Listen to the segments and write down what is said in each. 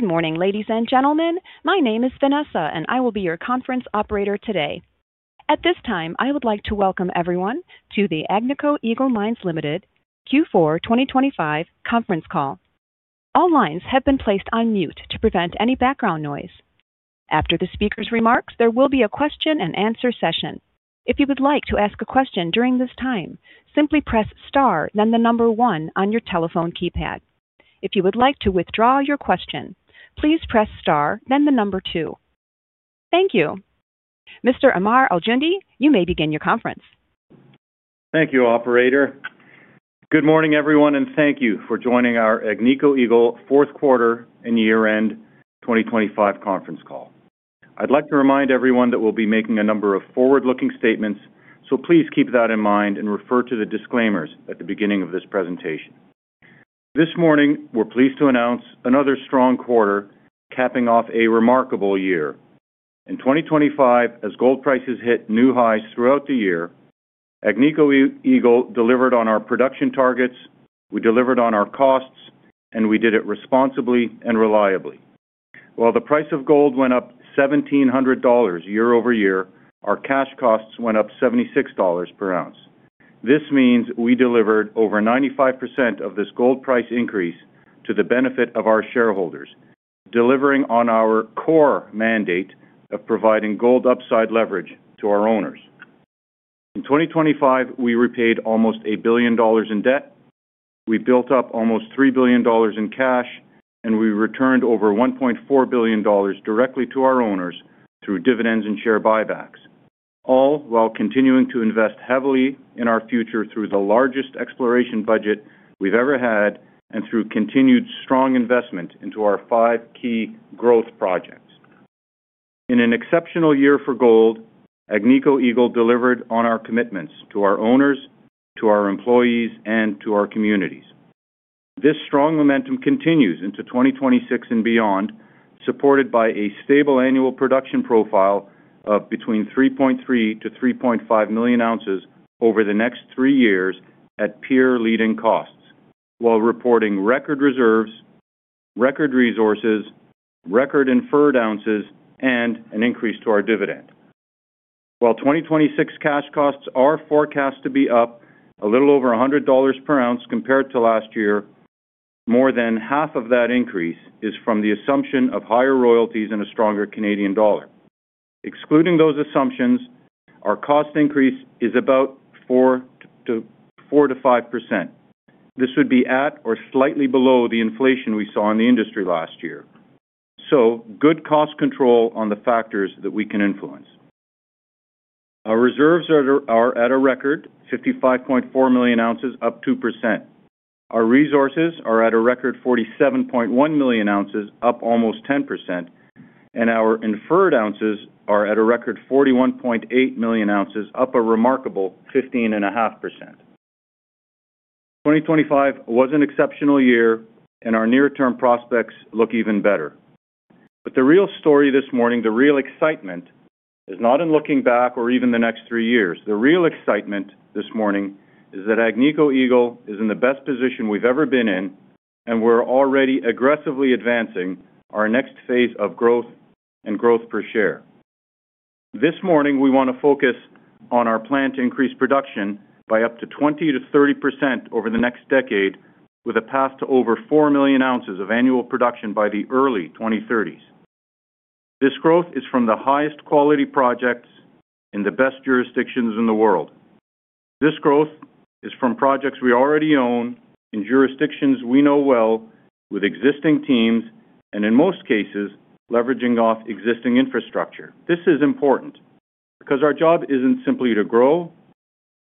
Good morning, ladies and gentlemen. My name is Vanessa, and I will be your conference operator today. At this time, I would like to welcome everyone to the Agnico Eagle Mines Limited Q4 2025 conference call. All lines have been placed on mute to prevent any background noise. After the speaker's remarks, there will be a question and answer session. If you would like to ask a question during this time, simply press star, then the number one on your telephone keypad. If you would like to withdraw your question, please press star, then the number two. Thank you. Mr. Ammar Al-Joundi, you may begin your conference. Thank you, operator. Good morning, everyone, and thank you for joining our Agnico Eagle fourth quarter and year-end 2025 conference call. I'd like to remind everyone that we'll be making a number of forward-looking statements, so please keep that in mind and refer to the disclaimers at the beginning of this presentation. This morning, we're pleased to annoz another strong quarter, capping off a remarkable year. In 2025, as gold prices hit new highs throughout the year, Agnico Eagle delivered on our production targets, we delivered on our costs, and we did it responsibly and reliably. While the price of gold went up $1,700 year-over-year, our cash costs went up $76 per ounce. This means we delivered over 95% of this gold price increase to the benefit of our shareholders, delivering on our core mandate of providing gold upside leverage to our owners. In 2025, we repaid almost $1 billion in debt, we built up almost $3 billion in cash, and we returned over $1.4 billion directly to our owners through dividends and share buybacks, all while continuing to invest heavily in our future through the largest exploration budget we've ever had and through continued strong investment into our five key growth projects. In an exceptional year for gold, Agnico Eagle delivered on our commitments to our owners, to our employees, and to our communities. This strong momentum continues into 2026 and beyond, supported by a stable annual production profile of between 3.3-3.5 million oz over the next three years at peer-leading costs, while reporting record reserves, record resources, record inferred oz, and an increase to our dividend. While 2026 cash costs are forecast to be up a little over $100 per ounce compared to last year, more than half of that increase is from the assumption of higher royalties and a stronger Canadian dollar. Excluding those assumptions, our cost increase is about 4%-5%. This would be at or slightly below the inflation we saw in the industry last year. So good cost control on the factors that we can influence. Our reserves are at a record 55.4 million oz, up 2%. Our resources are at a record 47.1 million oz, up almost 10%, and our inferred oz are at a record 41.8 million oz, up a remarkable 15.5%. 2025 was an exceptional year, and our near-term prospects look even better. But the real story this morning, the real excitement, is not in looking back or even the next three years. The real excitement this morning is that Agnico Eagle is in the best position we've ever been in, and we're already aggressively advancing our next phase of growth and growth per share. This morning, we want to focus on our plan to increase production by up to 20%-30% over the next decade, with a path to over 4 million oz of annual production by the early 2030s. This growth is from the highest quality projects in the best jurisdictions in the world. This growth is from projects we already own, in jurisdictions we know well with existing teams and in most cases, leveraging off existing infrastructure. This is important because our job isn't simply to grow,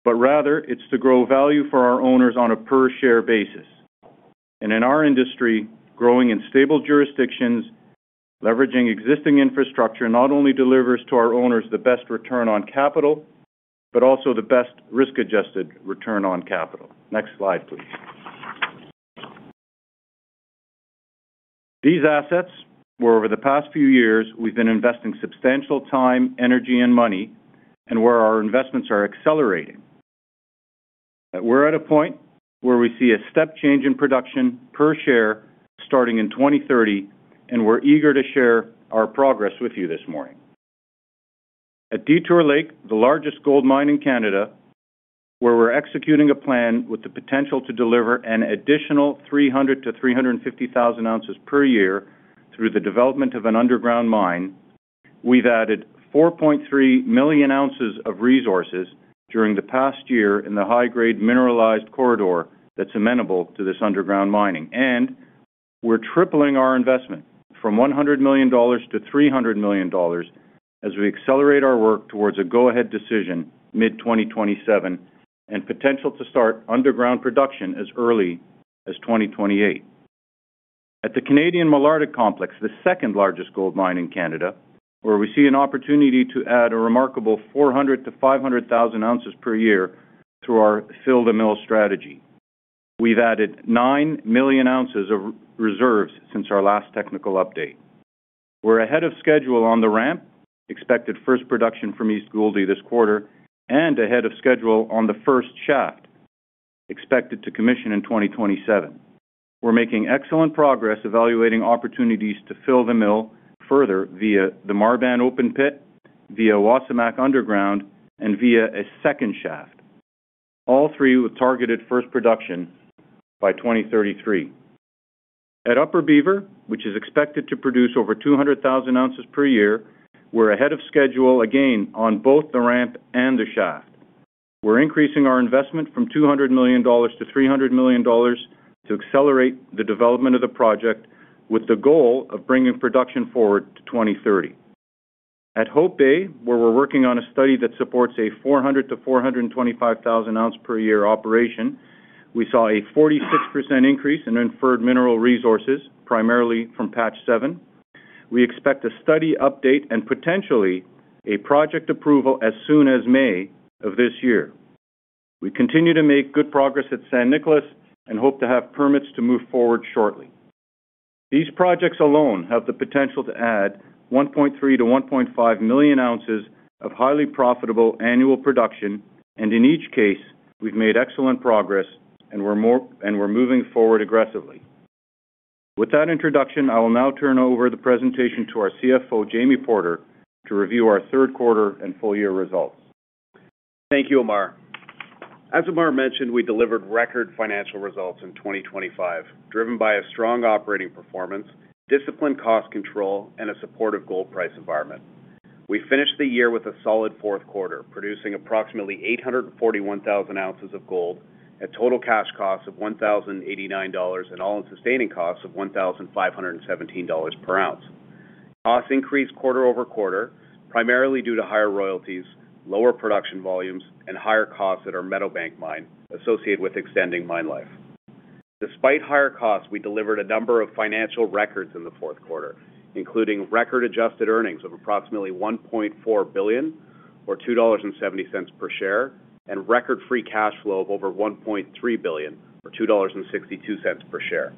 but rather it's to grow value for our owners on a per share basis. In our industry, growing in stable jurisdictions, leveraging existing infrastructure not only delivers to our owners the best return on capital, but also the best risk-adjusted return on capital. Next slide, please. These assets, where over the past few years we've been investing substantial time, energy, and money, and where our investments are accelerating. We're at a point where we see a step change in production per share starting in 2030, and we're eager to share our progress with you this morning. At Detour Lake, the largest gold mine in Canada, where we're executing a plan with the potential to deliver an additional 300-350,000 oz per year through the development of an underground mine, we've added 4.3 million oz of resources during the past year in the high-grade mineralized corridor that's amenable to this underground mining. And we're tripling our investment from $100 million-$300 million as we accelerate our work towards a go-ahead decision mid-2027, and potential to start underground production as early as 2028. At the Canadian Malartic Complex, the second-largest gold mine in Canada, where we see an opportunity to add a remarkable 400-500,000 oz per year through our fill-the-mill strategy. We've added 9 million oz of reserves since our last technical update. We're ahead of schedule on the ramp, expected first production from East Gouldie this quarter, and ahead of schedule on the first shaft, expected to commission in 2027. We're making excellent progress evaluating opportunities to fill the mill further via the Marban open pit, via Wasamac underground, and via a second shaft. All three with targeted first production by 2033. At Upper Beaver, which is expected to produce over 200,000 oz per year, we're ahead of schedule again on both the ramp and the shaft. We're increasing our investment from $200 million-$300 million to accelerate the development of the project, with the goal of bringing production forward to 2030. At Hope Bay, where we're working on a study that supports a 400- to 425,000-oz per year operation, we saw a 46% increase in inferred mineral resources, primarily from Patch Seven. We expect a study update and potentially a project approval as soon as May of this year. We continue to make good progress at San Nicolás and hope to have permits to move forward shortly. These projects alone have the potential to add 1.3-1.5 million oz of highly profitable annual production, and in each case, we've made excellent progress, and we're moving forward aggressively. With that introduction, I will now turn over the presentation to our CFO, Jamie Porter, to review our third quarter and full year results. Thank you, Ammar. As Ammar mentioned, we delivered record financial results in 2025, driven by a strong operating performance, disciplined cost control, and a supportive gold price environment. We finished the year with a solid fourth quarter, producing approximately 841,000 oz of gold at total cash costs of $1,089, and all-in sustaining costs of $1,517 per ounce. Costs increased quarter-over-quarter, primarily due to higher royalties, lower production volumes, and higher costs at our Meadowbank mine associated with extending mine life. Despite higher costs, we delivered a number of financial records in the fourth quarter, including record adjusted earnings of approximately $1.4 billion, or $2.70 per share, and record free cash flow of over $1.3 billion, or $2.62 per share.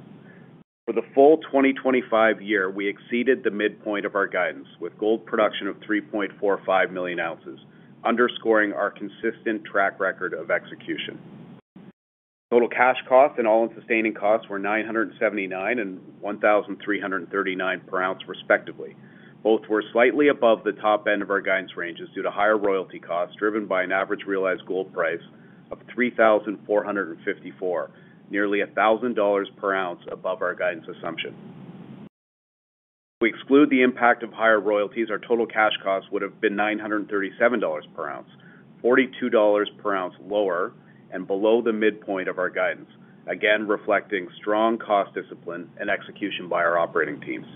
For the full 2025 year, we exceeded the midpoint of our guidance, with gold production of 3.45 million oz, underscoring our consistent track record of execution. Total cash costs and all-in sustaining costs were $979 and $1,339 per ounce, respectively. Both were slightly above the top end of our guidance ranges due to higher royalty costs, driven by an average realized gold price of $3,454, nearly $1,000 per ounce above our guidance assumption. We exclude the impact of higher royalties. Our total cash costs would have been $937 per ounce, $42 per ounce lower and below the midpoint of our guidance, again, reflecting strong cost discipline and execution by our operating teams.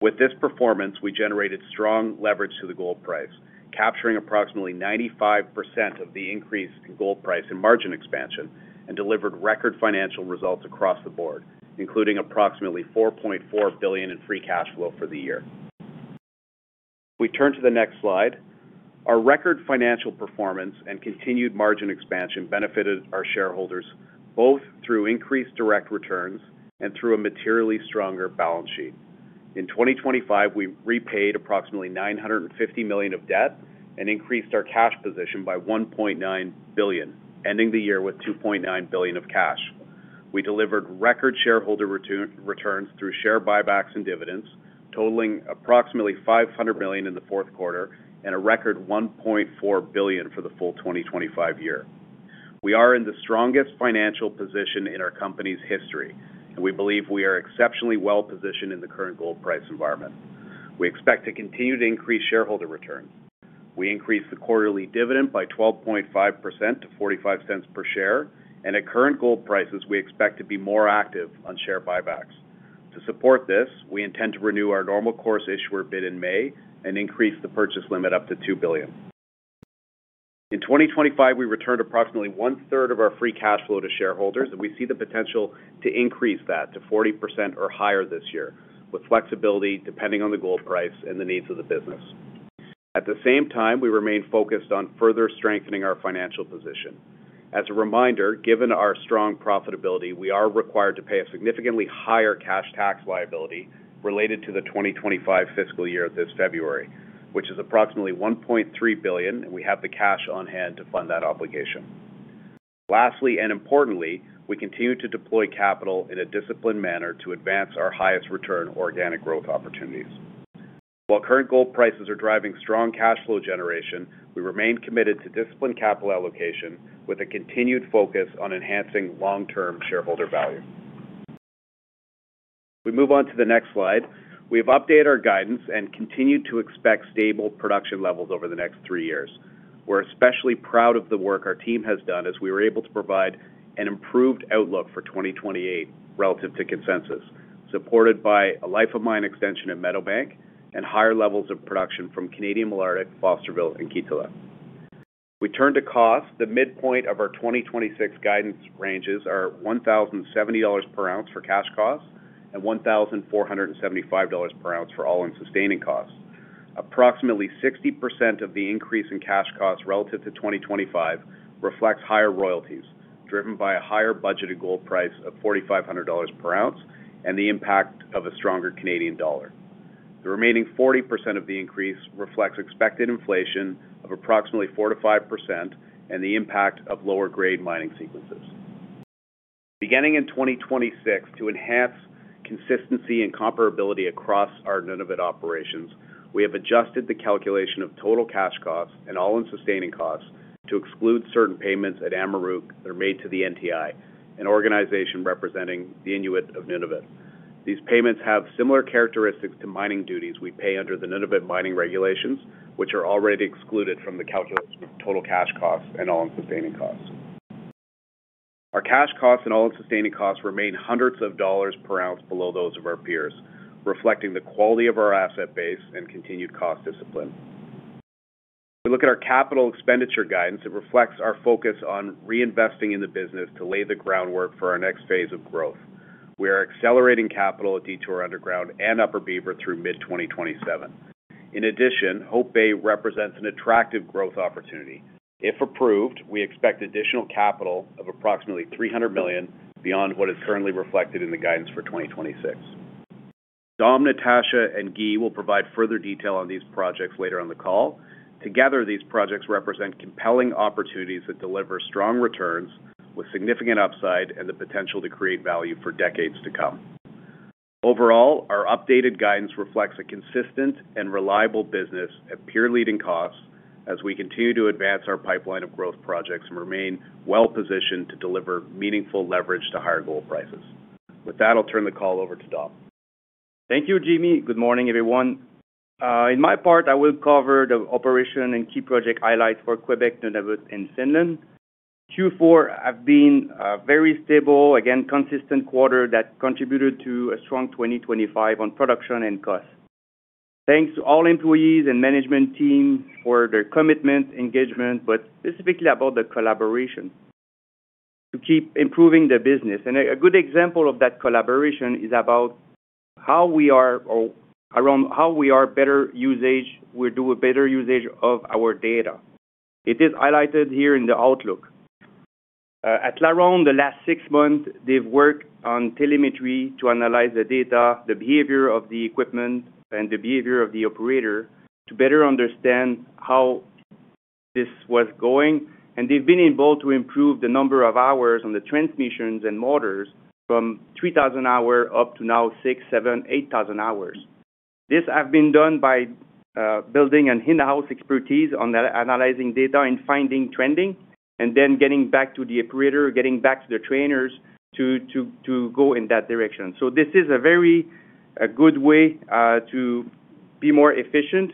With this performance, we generated strong leverage to the gold price, capturing approximately 95% of the increase in gold price and margin expansion, and delivered record financial results across the board, including approximately $4.4 billion in free cash flow for the year. We turn to the next slide. Our record financial performance and continued margin expansion benefited our shareholders, both through increased direct returns and through a materially stronger balance sheet. In 2025, we repaid approximately $950 million of debt and increased our cash position by $1.9 billion, ending the year with $2.9 billion of cash. We delivered record shareholder returns through share buybacks and dividends, totaling approximately $500 million in the fourth quarter and a record $1.4 billion for the full 2025 year. We are in the strongest financial position in our company's history, and we believe we are exceptionally well-positioned in the current gold price environment. We expect to continue to increase shareholder returns. We increased the quarterly dividend by 12.5% to $0.45 per share, and at current gold prices, we expect to be more active on share buybacks. To support this, we intend to renew our normal course issuer bid in May and increase the purchase limit up to $2 billion. In 2025, we returned approximately one-third of our free cash flow to shareholders, and we see the potential to increase that to 40% or higher this year, with flexibility depending on the gold price and the needs of the business. At the same time, we remain focused on further strengthening our financial position. As a reminder, given our strong profitability, we are required to pay a significantly higher cash tax liability related to the 2025 fiscal year, this February, which is approximately $1.3 billion, and we have the cash on hand to fund that obligation. Lastly, and importantly, we continue to deploy capital in a disciplined manner to advance our highest return organic growth opportunities. While current gold prices are driving strong cash flow generation, we remain committed to disciplined capital allocation with a continued focus on enhancing long-term shareholder value. We move on to the next slide. We've updated our guidance and continued to expect stable production levels over the next three years. We're especially proud of the work our team has done as we were able to provide an improved outlook for 2028 relative to consensus, supported by a life of mine extension at Meadowbank and higher levels of production from Canadian Malartic, Fosterville, and Kitikmeot. We turn to cost. The midpoint of our 2026 guidance ranges are $1,070 per ounce for cash costs and $1,475 per ounce for all-in sustaining costs. Approximately 60% of the increase in cash costs relative to 2025 reflects higher royalties, driven by a higher budgeted gold price of $4,500 per ounce and the impact of a stronger Canadian dollar. The remaining 40% of the increase reflects expected inflation of approximately 4%-5%, and the impact of lower grade mining sequences. Beginning in 2026, to enhance consistency and comparability across our Nunavut operations, we have adjusted the calculation of total cash costs and all-in sustaining costs to exclude certain payments at Amaruq that are made to the NTI, an organization representing the Inuit of Nunavut. These payments have similar characteristics to mining duties we pay under the Nunavut Mining Regulations, which are already excluded from the calculation of total cash costs and all-in sustaining costs. Our cash costs and all-in sustaining costs remain hundreds of dollars per ounce below those of our peers, reflecting the quality of our asset base and continued cost discipline. We look at our capital expenditure guidance. It reflects our focus on reinvesting in the business to lay the groundwork for our next phase of growth. We are accelerating capital at Detour Underground and Upper Beaver through mid-2027. In addition, Hope Bay represents an attractive growth opportunity. If approved, we expect additional capital of approximately $300 million beyond what is currently reflected in the guidance for 2026. Dom, Natasha, and Guy will provide further detail on these projects later on the call. Together, these projects represent compelling opportunities that deliver strong returns with significant upside and the potential to create value for decades to come. Overall, our updated guidance reflects a consistent and reliable business at peer-leading costs as we continue to advance our pipeline of growth projects and remain well-positioned to deliver meaningful leverage to higher gold prices. With that, I'll turn the call over to Dom. Thank you, Jamie. Good morning, everyone. In my part, I will cover the operation and key project highlights for Quebec, Nunavut, and Finland. Q4 have been very stable, again, consistent quarter that contributed to a strong 2025 on production and cost. Thanks to all employees and management team for their commitment, engagement, but specifically about the collaboration to keep improving the business. And a good example of that collaboration is about how we are or around how we are better usage, we do a better usage of our data. It is highlighted here in the Outlook. At LaRonde, the last six months, they've worked on telemetry to analyze the data, the behavior of the equipment, and the behavior of the operator to better understand how this was going. They've been able to improve the number of hours on the transmissions and motors from 3,000 hours up to now 6,000-8,000 hours. This have been done by building an in-house expertise on analyzing data and finding trending, and then getting back to the operator, getting back to the trainers to go in that direction. So this is a very good way to be more efficient,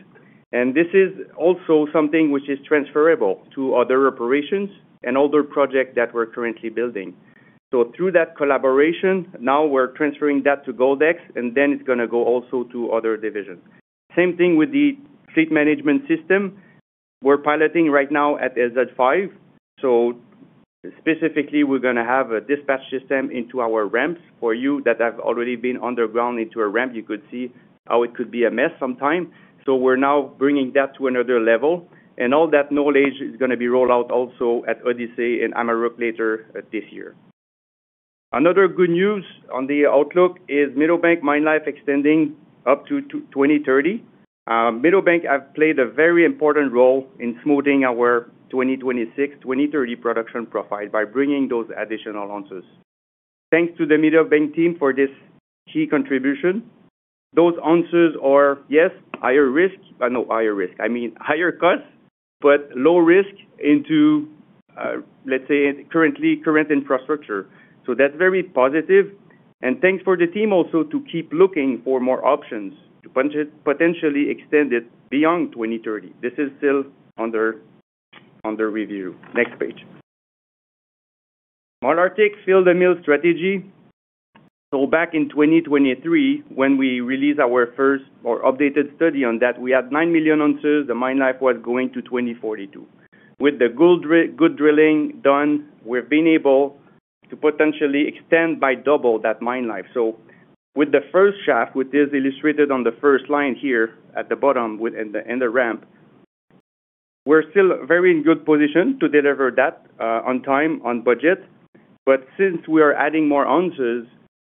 and this is also something which is transferable to other operations and other project that we're currently building. So through that collaboration, now we're transferring that to Goldex, and then it's gonna go also to other divisions. Same thing with the fleet management system. We're piloting right now at LZ5, so specifically, we're gonna have a dispatch system into our ramps. For you that have already been underground into a ramp, you could see how it could be a mess sometime. So we're now bringing that to another level, and all that knowledge is gonna be rolled out also at Odyssey and Amaruq later this year. Another good news on the outlook is Meadowbank mine life extending up to 2030. Meadowbank have played a very important role in smoothing our 2026-2030 production profile by bringing those additional oz. Thanks to the Meadowbank team for this key contribution. Those oz are, yes, higher risk, but no higher risk. I mean, higher costs, but low risk into, let's say, currently, current infrastructure. So that's very positive, and thanks for the team also to keep looking for more options to potentially extend it beyond 2030. This is still under review. Next page. Canadian Malartic fill-the-mill strategy. So back in 2023, when we released our first or updated study on that, we had 9 million oz. The mine life was going to 2042. With the good drilling done, we've been able to potentially extend by double that mine life. So with the first shaft, which is illustrated on the first line here at the bottom, within the ramp, we're still very in good position to deliver that, on time, on budget. But since we are adding more oz,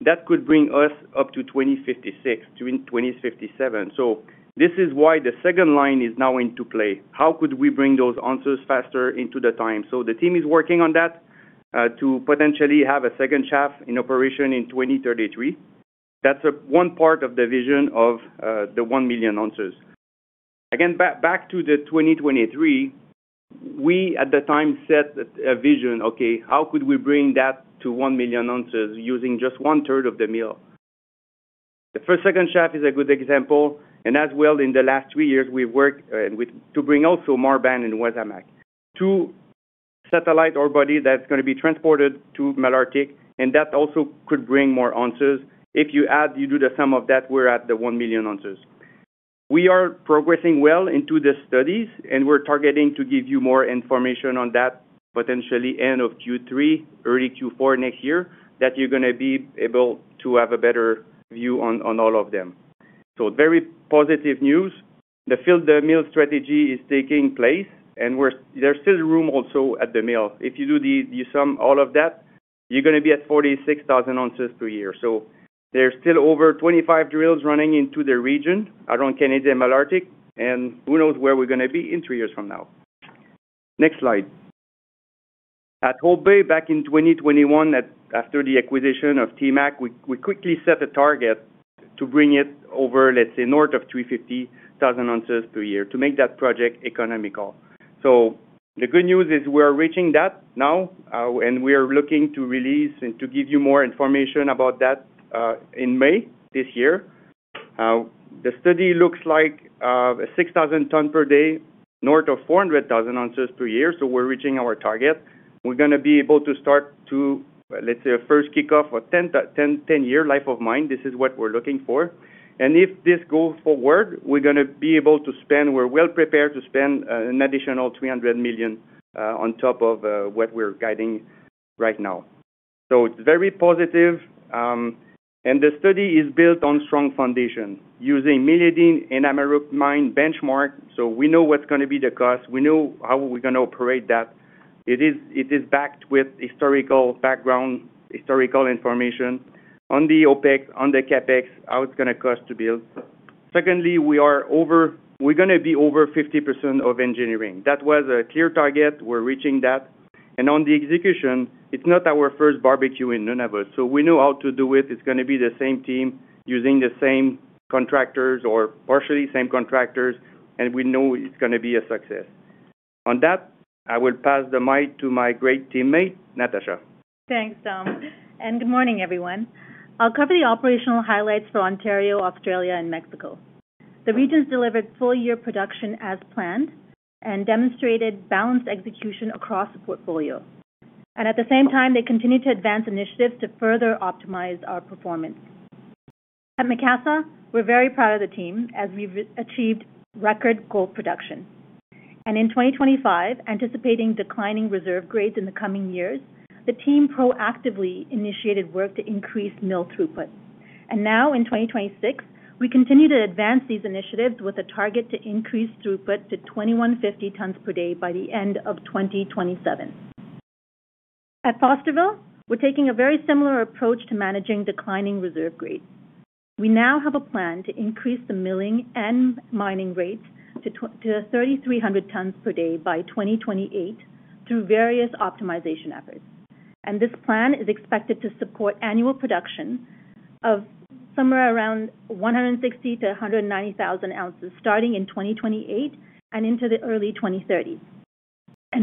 that could bring us up to 2056, to 2057. So this is why the second line is now into play. How could we bring those oz faster into the time? So the team is working on that, to potentially have a second shaft in operation in 2033. That's one part of the vision of the 1 million oz. Again, back to 2023, we, at the time, set a vision, okay, how could we bring that to 1 million oz using just one-third of the mill? The first second shaft is a good example, and as well, in the last 3 years, we've worked to bring also Marban and Wesamac, two satellite ore bodies that's gonna be transported to Malartic, and that also could bring more oz. If you add, you do the sum of that, we're at the 1 million oz. We are progressing well into the studies, and we're targeting to give you more information on that, potentially end of Q3, early Q4 next year, that you're gonna be able to have a better view on all of them. So very positive news. The fill-the-mill strategy is taking place, and we're, there's still room also at the mill. If you sum all of that, you're gonna be at 46,000 oz per year. So there's still over 25 drills running into the region around Canadian Malartic, and who knows where we're gonna be in three years from now? Next slide. At Hope Bay, back in 2021, after the acquisition of TMAC, we quickly set a target to bring it over, let's say, north of 350,000 oz per year to make that project economical. So the good news is we're reaching that now, and we are looking to release and to give you more information about that, in May this year. The study looks like 6,000 tons per day, north of 400,000 oz per year, so we're reaching our target. We're gonna be able to start to, let's say, a first kickoff, a 10-10-10-year life of mine. This is what we're looking for. And if this goes forward, we're gonna be able to spend, we're well prepared to spend an additional $300 million on top of what we're guiding right now. So it's very positive, and the study is built on strong foundation using Meliadine and Amaruq Mine benchmark. So we know what's gonna be the cost, we know how we're gonna operate that. It is, it is backed with historical background, historical information on the OpEx, on the CapEx, how it's gonna cost to build. Secondly, we are over—we're gonna be over 50% of engineering. That was a clear target, we're reaching that. On the execution, it's not our first barbecue in Nunavut, so we know how to do it. It's gonna be the same team using the same contractors or partially same contractors, and we know it's gonna be a success. On that, I will pass the mic to my great teammate, Natasha. Thanks, Dom, and good morning, everyone. I'll cover the operational highlights for Ontario, Australia and Mexico. The regions delivered full year production as planned and demonstrated balanced execution across the portfolio. And at the same time, they continued to advance initiatives to further optimize our performance. At Macassa, we're very proud of the team as we've achieved record gold production. And in 2025, anticipating declining reserve grades in the coming years, the team proactively initiated work to increase mill throughput. And now in 2026, we continue to advance these initiatives with a target to increase throughput to 2,150 tons per day by the end of 2027. At Fosterville, we're taking a very similar approach to managing declining reserve grade. We now have a plan to increase the milling and mining rates to 3,300 tons per day by 2028 through various optimization efforts. This plan is expected to support annual production of somewhere around 160,000-190,000 oz, starting in 2028 and into the early 2030s.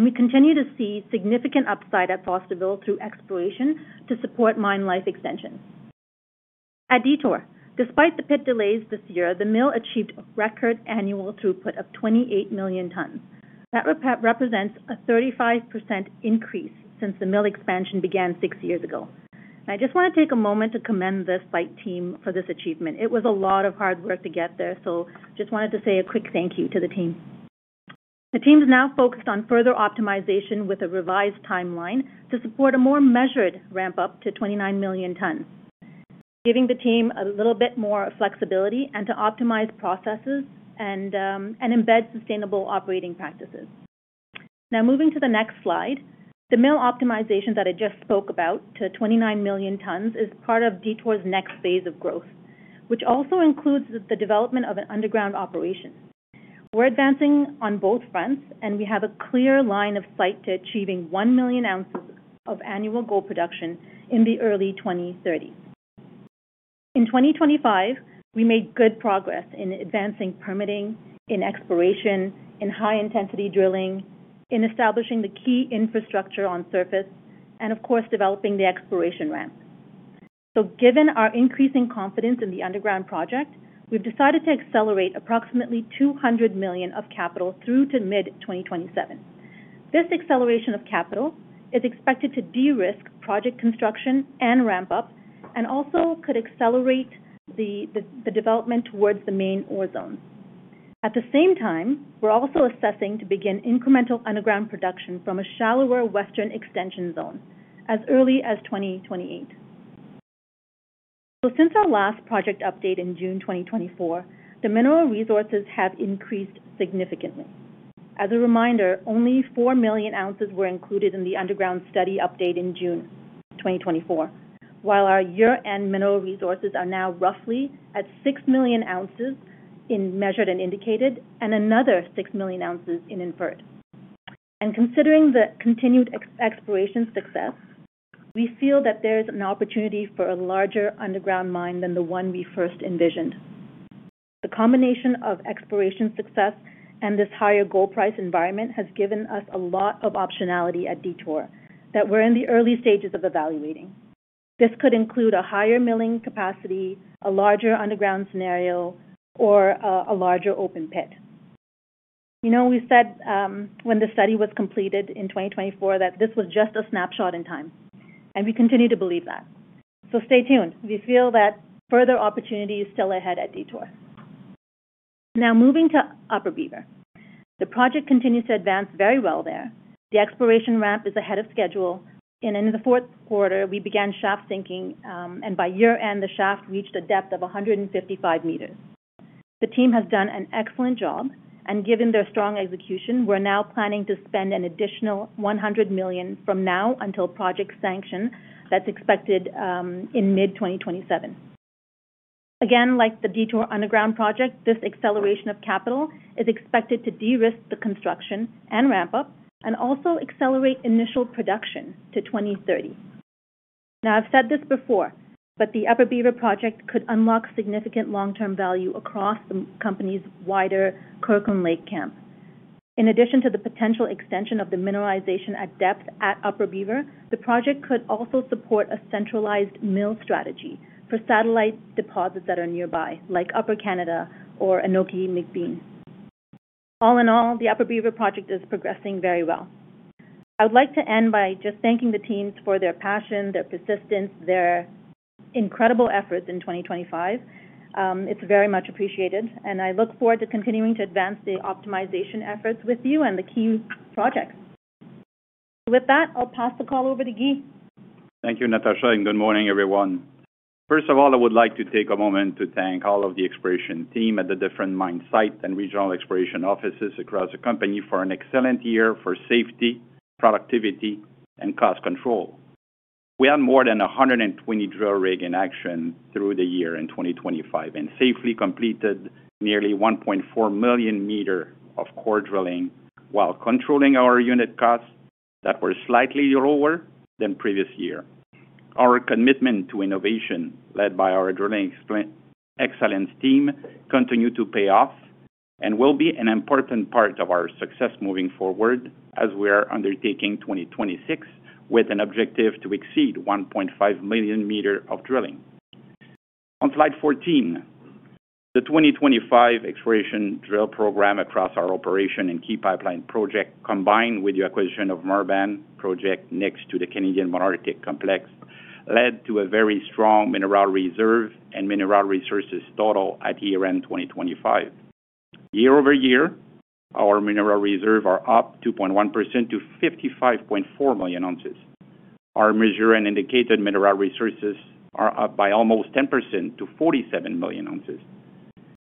We continue to see significant upside at Fosterville through exploration to support mine life extension. At Detour, despite the pit delays this year, the mill achieved a record annual throughput of 28 million tons. That represents a 35% increase since the mill expansion began 6 years ago. I just want to take a moment to commend the site team for this achievement. It was a lot of hard work to get there, so just wanted to say a quick thank you to the team. The team is now focused on further optimization with a revised timeline to support a more measured ramp-up to 29 million tons, giving the team a little bit more flexibility and to optimize processes and, and embed sustainable operating practices. Now, moving to the next slide, the mill optimization that I just spoke about to 29 million tons is part of Detour's next phase of growth, which also includes the development of an underground operation. We're advancing on both fronts, and we have a clear line of sight to achieving 1 million oz of annual gold production in the early 2030. In 2025, we made good progress in advancing permitting, in exploration, in high-intensity drilling, in establishing the key infrastructure on surface, and of course, developing the exploration ramp. So given our increasing confidence in the underground project, we've decided to accelerate approximately $200 million of capital through to mid-2027. This acceleration of capital is expected to de-risk project construction and ramp up and also could accelerate the development towards the main ore zone. At the same time, we're also assessing to begin incremental underground production from a shallower western extension zone as early as 2028. So since our last project update in June 2024, the mineral resources have increased significantly. As a reminder, only 4 million oz were included in the underground study update in June 2024, while our year-end mineral resources are now roughly at 6 million oz in measured and indicated, and another 6 million oz in inferred. And considering the continued exploration success, we feel that there's an opportunity for a larger underground mine than the one we first envisioned. The combination of exploration success and this higher gold price environment has given us a lot of optionality at Detour that we're in the early stages of evaluating. This could include a higher milling capacity, a larger underground scenario, or a larger open pit. You know, we said, when the study was completed in 2024, that this was just a snapshot in time, and we continue to believe that. So stay tuned. We feel that further opportunity is still ahead at Detour. Now, moving to Upper Beaver. The project continues to advance very well there. The exploration ramp is ahead of schedule, and in the fourth quarter, we began shaft sinking, and by year-end, the shaft reached a depth of 155 m. The team has done an excellent job, and given their strong execution, we're now planning to spend an additional $100 million from now until project sanction. That's expected in mid-2027. Again, like the Detour Underground Project, this acceleration of capital is expected to de-risk the construction and ramp up and also accelerate initial production to 2030. Now, I've said this before, but the Upper Beaver project could unlock significant long-term value across the company's wider Kirkland Lake camp. In addition to the potential extension of the mineralization at depth at Upper Beaver, the project could also support a centralized mill strategy for satellite deposits that are nearby, like Upper Canada or Anoki-McBean. All in all, the Upper Beaver project is progressing very well. I would like to end by just thanking the teams for their passion, their persistence, their incredible efforts in 2025. It's very much appreciated, and I look forward to continuing to advance the optimization efforts with you and the key projects. With that, I'll pass the call over to Guy. Thank you, Natasha, and good morning, everyone. First of all, I would like to take a moment to thank all of the exploration team at the different mine sites and regional exploration offices across the company for an excellent year for safety, productivity, and cost control. We had more than 120 drill rigs in action through the year in 2025 and safely completed nearly 1.4 million m of core drilling while controlling our unit costs that were slightly lower than previous year. Our commitment to innovation, led by our drilling excellence team, continued to pay off and will be an important part of our success moving forward as we are undertaking 2026 with an objective to exceed 1.5 million m of drilling. On slide 14, the 2025 exploration drill program across our operation and key pipeline project, combined with the acquisition of Marban project next to the Canadian Malartic Complex, led to a very strong mineral reserve and mineral resources total at year-end 2025. Year-over-year, our mineral reserve are up 2.1% to 55.4 million oz. Our measured and indicated mineral resources are up by almost 10% to 47 million oz,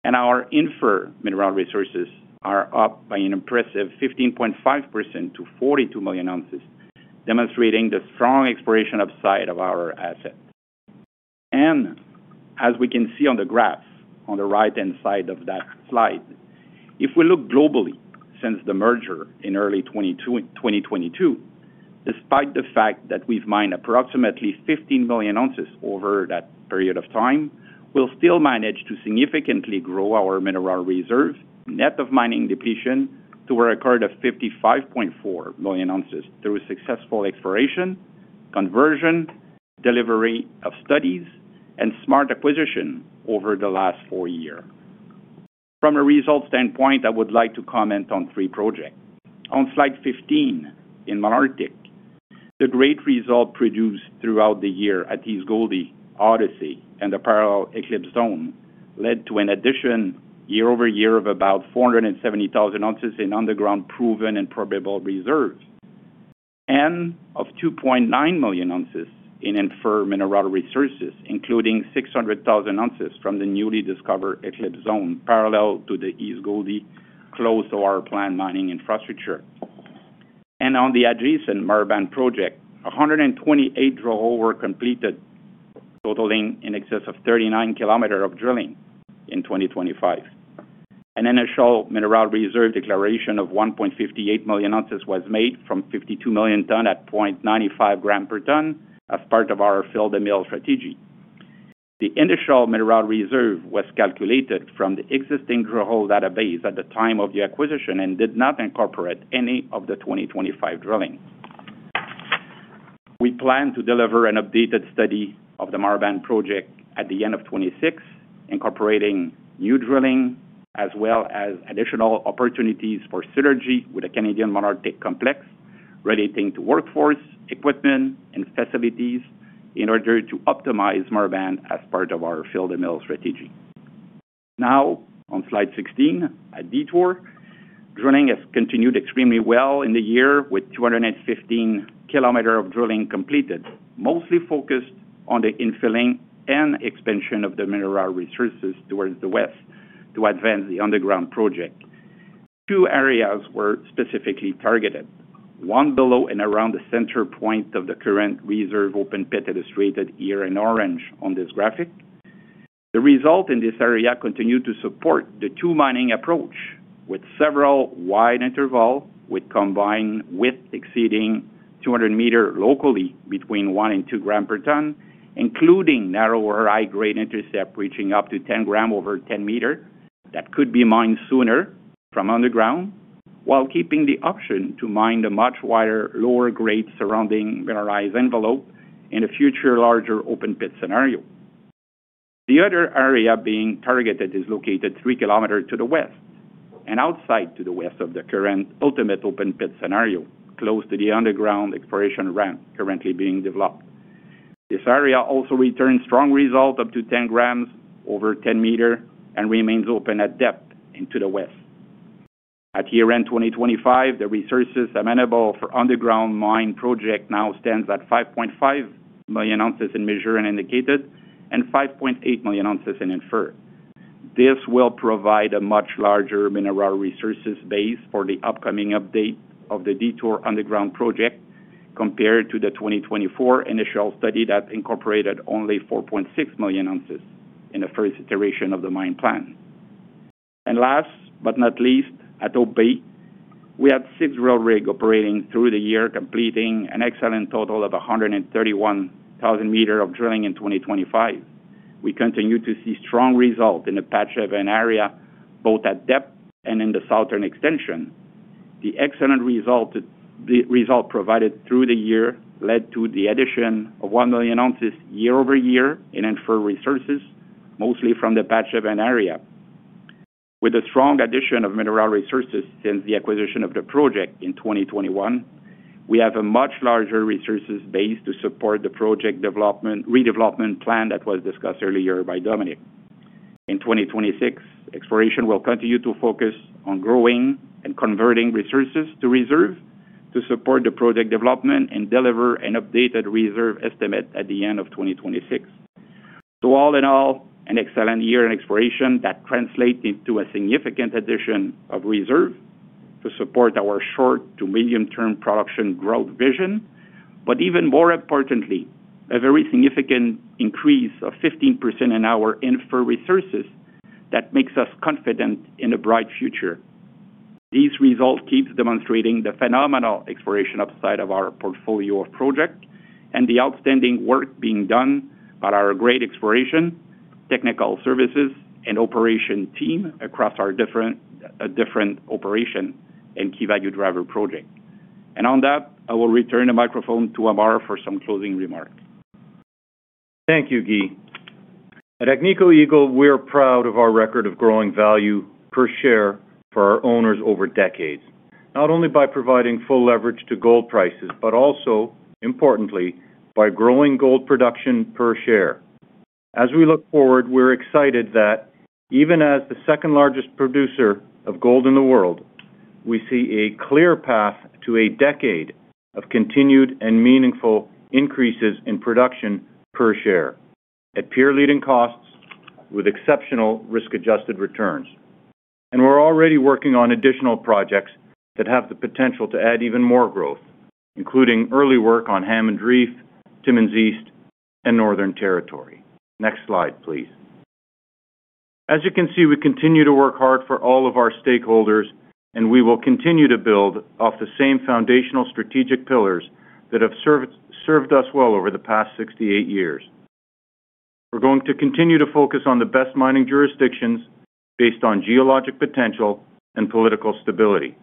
and our inferred mineral resources are up by an impressive 15.5% to 42 million oz, demonstrating the strong exploration upside of our assets. As we can see on the graph on the right-hand side of that slide, if we look globally, since the merger in early 2022, despite the fact that we've mined approximately 15 million oz over that period of time, we'll still manage to significantly grow our mineral reserves, net of mining depletion, to a record of 55.4 million oz through successful exploration, conversion, delivery of studies, and smart acquisition over the last four years. From a result standpoint, I would like to comment on three projects. On slide 15, in Canadian Malartic, the great results produced throughout the year at East Gouldie, Odyssey and the Parallel Eclipse Zone led to an addition year-over-year of about 470,000 oz in underground proven and probable reserves, and of 2.9 million oz in inferred mineral resources, including 600,000 oz from the newly discovered Eclipse Zone, parallel to the East Gouldie, close to our plant mining infrastructure. On the adjacent Marban project, 128 drills were completed, totaling in excess of 39 km of drilling in 2025. An initial mineral reserve declaration of 1.58 million oz was made from 52 million tons at 0.95 g/t as part of our fill-the-mill strategy. The initial mineral reserve was calculated from the existing drill hole database at the time of the acquisition and did not incorporate any of the 2025 drilling. We plan to deliver an updated study of the Marban project at the end of 2026, incorporating new drilling as well as additional opportunities for synergy with the Canadian Malartic Complex, relating to workforce, equipment, and facilities in order to optimize Marban as part of our fill-the-mill strategy. Now on slide 16, at Detour, drilling has continued extremely well in the year, with 215 km of drilling completed, mostly focused on the infilling and expansion of the mineral resources towards the west to advance the underground project. Two areas were specifically targeted. One below and around the center point of the current reserve open pit, illustrated here in orange on this graphic. The result in this area continued to support the two mining approach, with several wide interval, with combined width exceeding 200 m locally between 1 and 2 g/t, including narrower, high-grade intercept, reaching up to 10 g over 10 m. That could be mined sooner from underground, while keeping the option to mine the much wider, lower-grade surrounding mineralized envelope in a future larger open-pit scenario. The other area being targeted is located 3 km to the west and outside to the west of the current ultimate open pit scenario, close to the underground exploration ramp currently being developed. This area also returned strong results up to 10 grams over 10 m and remains open at depth into the west. At year-end 2025, the resources amenable for underground mine project now stands at 5.5 million oz in measured and indicated, and 5.8 million oz in inferred. This will provide a much larger mineral resources base for the upcoming update of the Detour Underground Project, compared to the 2024 initial study that incorporated only 4.6 million oz in the first iteration of the mine plan. And last but not least, at Hope Bay, we had six drill rigs operating through the year, completing an excellent total of 131,000 m of drilling in 2025. We continue to see strong results in the Patch 7 area, both at depth and in the southern extension. The excellent result, the result provided through the year led to the addition of 1 million oz year-over-year in inferred resources, mostly from the Patch Seven area. With a strong addition of mineral resources since the acquisition of the project in 2021, we have a much larger resources base to support the project development, redevelopment plan that was discussed earlier by Dominic. In 2026, exploration will continue to focus on growing and converting resources to reserves, to support the project development and deliver an updated reserve estimate at the end of 2026. So all in all, an excellent year in exploration that translated to a significant addition of reserves to support our short- to medium-term production growth vision. But even more importantly, a very significant increase of 15% in our inferred resources that makes us confident in a bright future. These results keeps demonstrating the phenomenal exploration upside of our portfolio of project and the outstanding work being done by our great exploration, technical services, and operation team across our different, different operation and key value driver project. On that, I will return the microphone to Ammar for some closing remarks. Thank you, Guy. At Agnico Eagle, we are proud of our record of growing value per share for our owners over decades, not only by providing full leverage to gold prices, but also, importantly, by growing gold production per share. As we look forward, we're excited that even as the second-largest producer of gold in the world, we see a clear path to a decade of continued and meaningful increases in production per share at peer-leading costs with exceptional risk-adjusted returns. And we're already working on additional projects that have the potential to add even more growth, including early work on Hammond Reef, Timmins East, and Northern Territory. Next slide, please. As you can see, we continue to work hard for all of our stakeholders, and we will continue to build off the same foundational strategic pillars that have served us well over the past 68 years. We're going to continue to focus on the best mining jurisdictions based on geologic potential and political stability.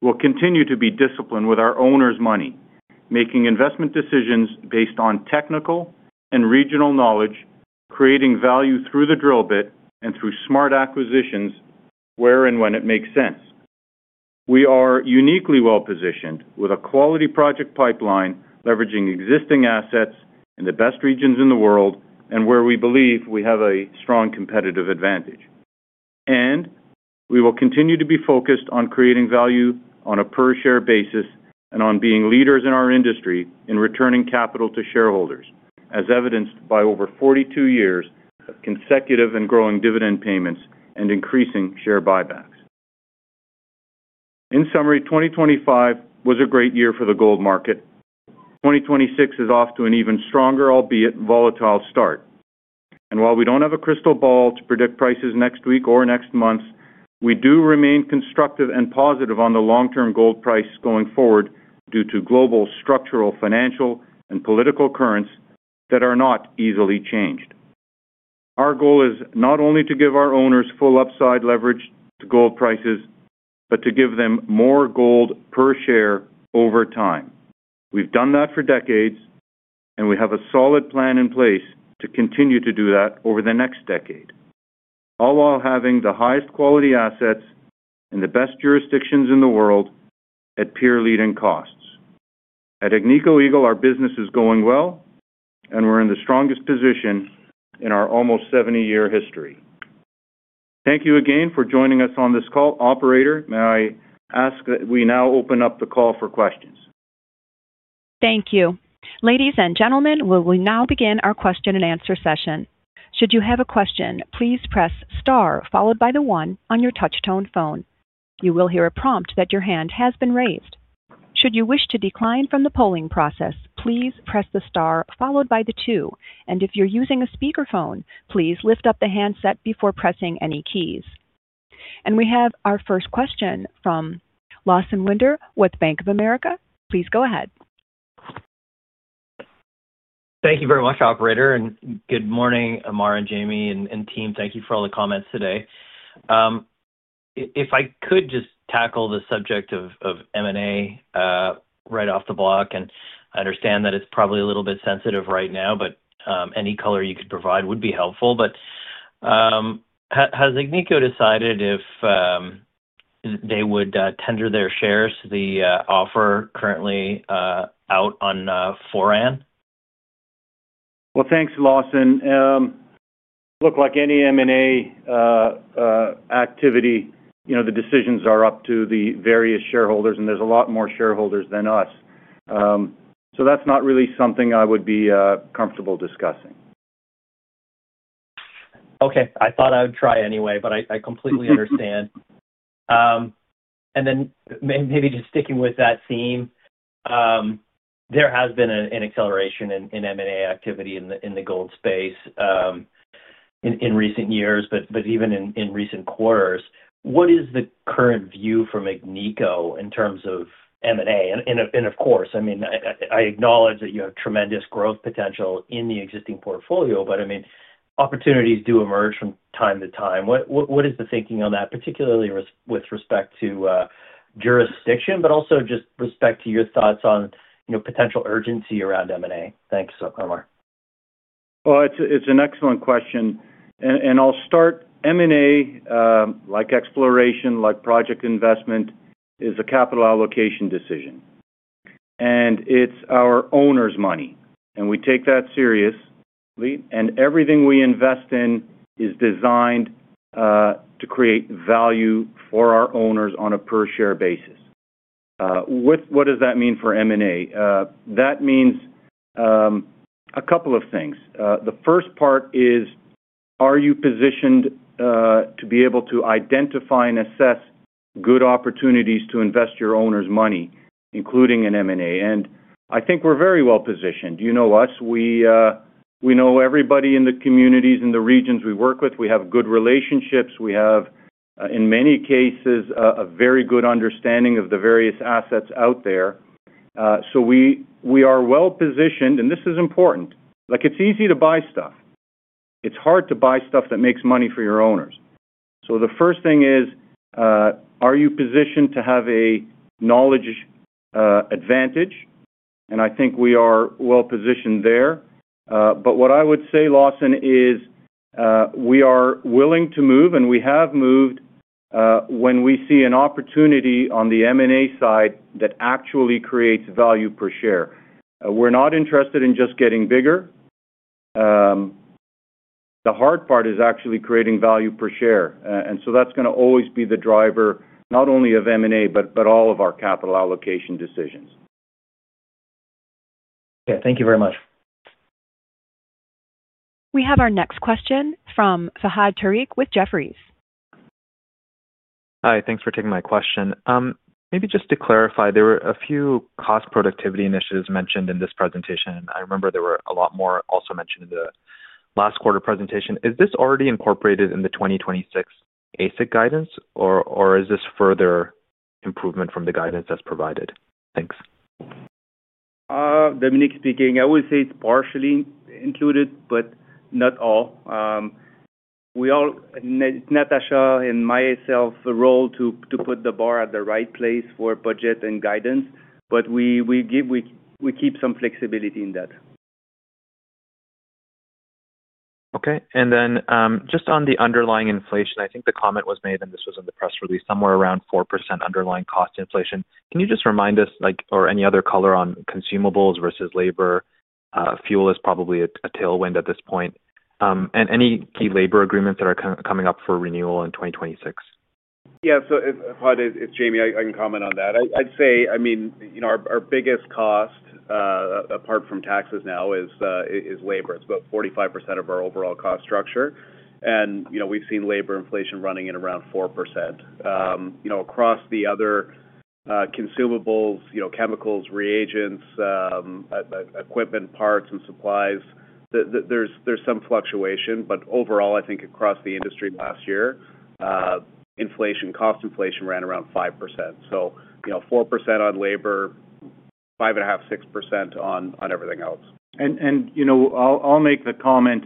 We'll continue to be disciplined with our owners' money, making investment decisions based on technical and regional knowledge, creating value through the drill bit and through smart acquisitions, where and when it makes sense. We are uniquely well-positioned with a quality project pipeline, leveraging existing assets in the best regions in the world and where we believe we have a strong competitive advantage. We will continue to be focused on creating value on a per-share basis and on being leaders in our industry in returning capital to shareholders, as evidenced by over 42 years of consecutive and growing dividend payments and increasing share buybacks. In summary, 2025 was a great year for the gold market. 2026 is off to an even stronger, albeit volatile, start. While we don't have a crystal ball to predict prices next week or next month, we do remain constructive and positive on the long-term gold price going forward due to global structural, financial, and political currents that are not easily changed. Our goal is not only to give our owners full upside leverage to gold prices, but to give them more gold per share over time. We've done that for decades, and we have a solid plan in place to continue to do that over the next decade, all while having the highest quality assets in the best jurisdictions in the world at peer-leading costs. At Agnico Eagle, our business is going well, and we're in the strongest position in our almost 70-year history. Thank you again for joining us on this call. Operator, may I ask that we now open up the call for questions? Thank you. Ladies and gentlemen, we will now begin our question-and-answer session. Should you have a question, please press star followed by the one on your touch tone phone. You will hear a prompt that your hand has been raised. Should you wish to decline from the polling process, please press the star followed by the two. And if you're using a speakerphone, please lift up the handset before pressing any keys. And we have our first question from Lawson Winder with Bank of America. Please go ahead. Thank you very much, operator, and good morning, Ammar and Jamie and team. Thank you for all the comments today. If I could just tackle the subject of M&A right off the block, and I understand that it's probably a little bit sensitive right now, but any color you could provide would be helpful. But has Agnico decided if they would tender their shares to the offer currently out on Foran? Well, thanks, Lawson. Look, like any M&A activity, you know, the decisions are up to the various shareholders, and there's a lot more shareholders than us. So that's not really something I would be comfortable discussing. Okay. I thought I would try anyway, but I completely understand. And then maybe just sticking with that theme, there has been an acceleration in M&A activity in the gold space in recent years, but even in recent quarters. What is the current view from Agnico in terms of M&A? And of course, I mean, I acknowledge that you have tremendous growth potential in the existing portfolio, but I mean, opportunities do emerge from time to time. What is the thinking on that, particularly with respect to jurisdiction, but also with respect to your thoughts on, you know, potential urgency around M&A? Thanks, Ammar. Well, it's an excellent question, and I'll start. M&A, like exploration, like project investment, is a capital allocation decision, and it's our owners' money, and we take that seriously. Everything we invest in is designed to create value for our owners on a per-share basis. What does that mean for M&A? That means a couple of things. The first part is, are you positioned to be able to identify and assess good opportunities to invest your owners' money, including in M&A? And I think we're very well positioned. You know us. We know everybody in the communities, in the regions we work with. We have good relationships. We have, in many cases, a very good understanding of the various assets out there. So we are well positioned, and this is important. Like, it's easy to buy stuff. It's hard to buy stuff that makes money for your owners. So the first thing is, are you positioned to have a knowledge advantage? And I think we are well positioned there. But what I would say, Lawson, is, we are willing to move, and we have moved, when we see an opportunity on the M&A side that actually creates value per share. We're not interested in just getting bigger. The hard part is actually creating value per share. And so that's gonna always be the driver, not only of M&A, but all of our capital allocation decisions. Okay. Thank you very much. We have our next question from Fahad Tariq with Jefferies. Hi, thanks for taking my question. Maybe just to clarify, there were a few cost productivity initiatives mentioned in this presentation. I remember there were a lot more also mentioned in the last quarter presentation. Is this already incorporated in the 2026 AISC guidance, or, or is this further improvement from the guidance that's provided? Thanks. Dominic speaking. I would say it's partially included, but not all. We all, Natasha and myself, role to put the bar at the right place for budget and guidance, but we give, we keep some flexibility in that. Okay. And then, just on the underlying inflation, I think the comment was made, and this was in the press release, somewhere around 4% underlying cost inflation. Can you just remind us, like, or any other color on consumables versus labor? Fuel is probably a tailwind at this point. And any key labor agreements that are coming up for renewal in 2026? Yeah, so it's Hi, it's Jamie. I can comment on that. I'd say, I mean, you know, our biggest cost apart from taxes now is labor. It's about 45% of our overall cost structure. And, you know, we've seen labor inflation running at around 4%. You know, across the other consumables, you know, chemicals, reagents, equipment, parts and supplies, there's some fluctuation, but overall, I think across the industry last year, inflation, cost inflation ran around 5%. So, you know, 4% on labor, 5.5%-6% on everything else. You know, I'll make the comment,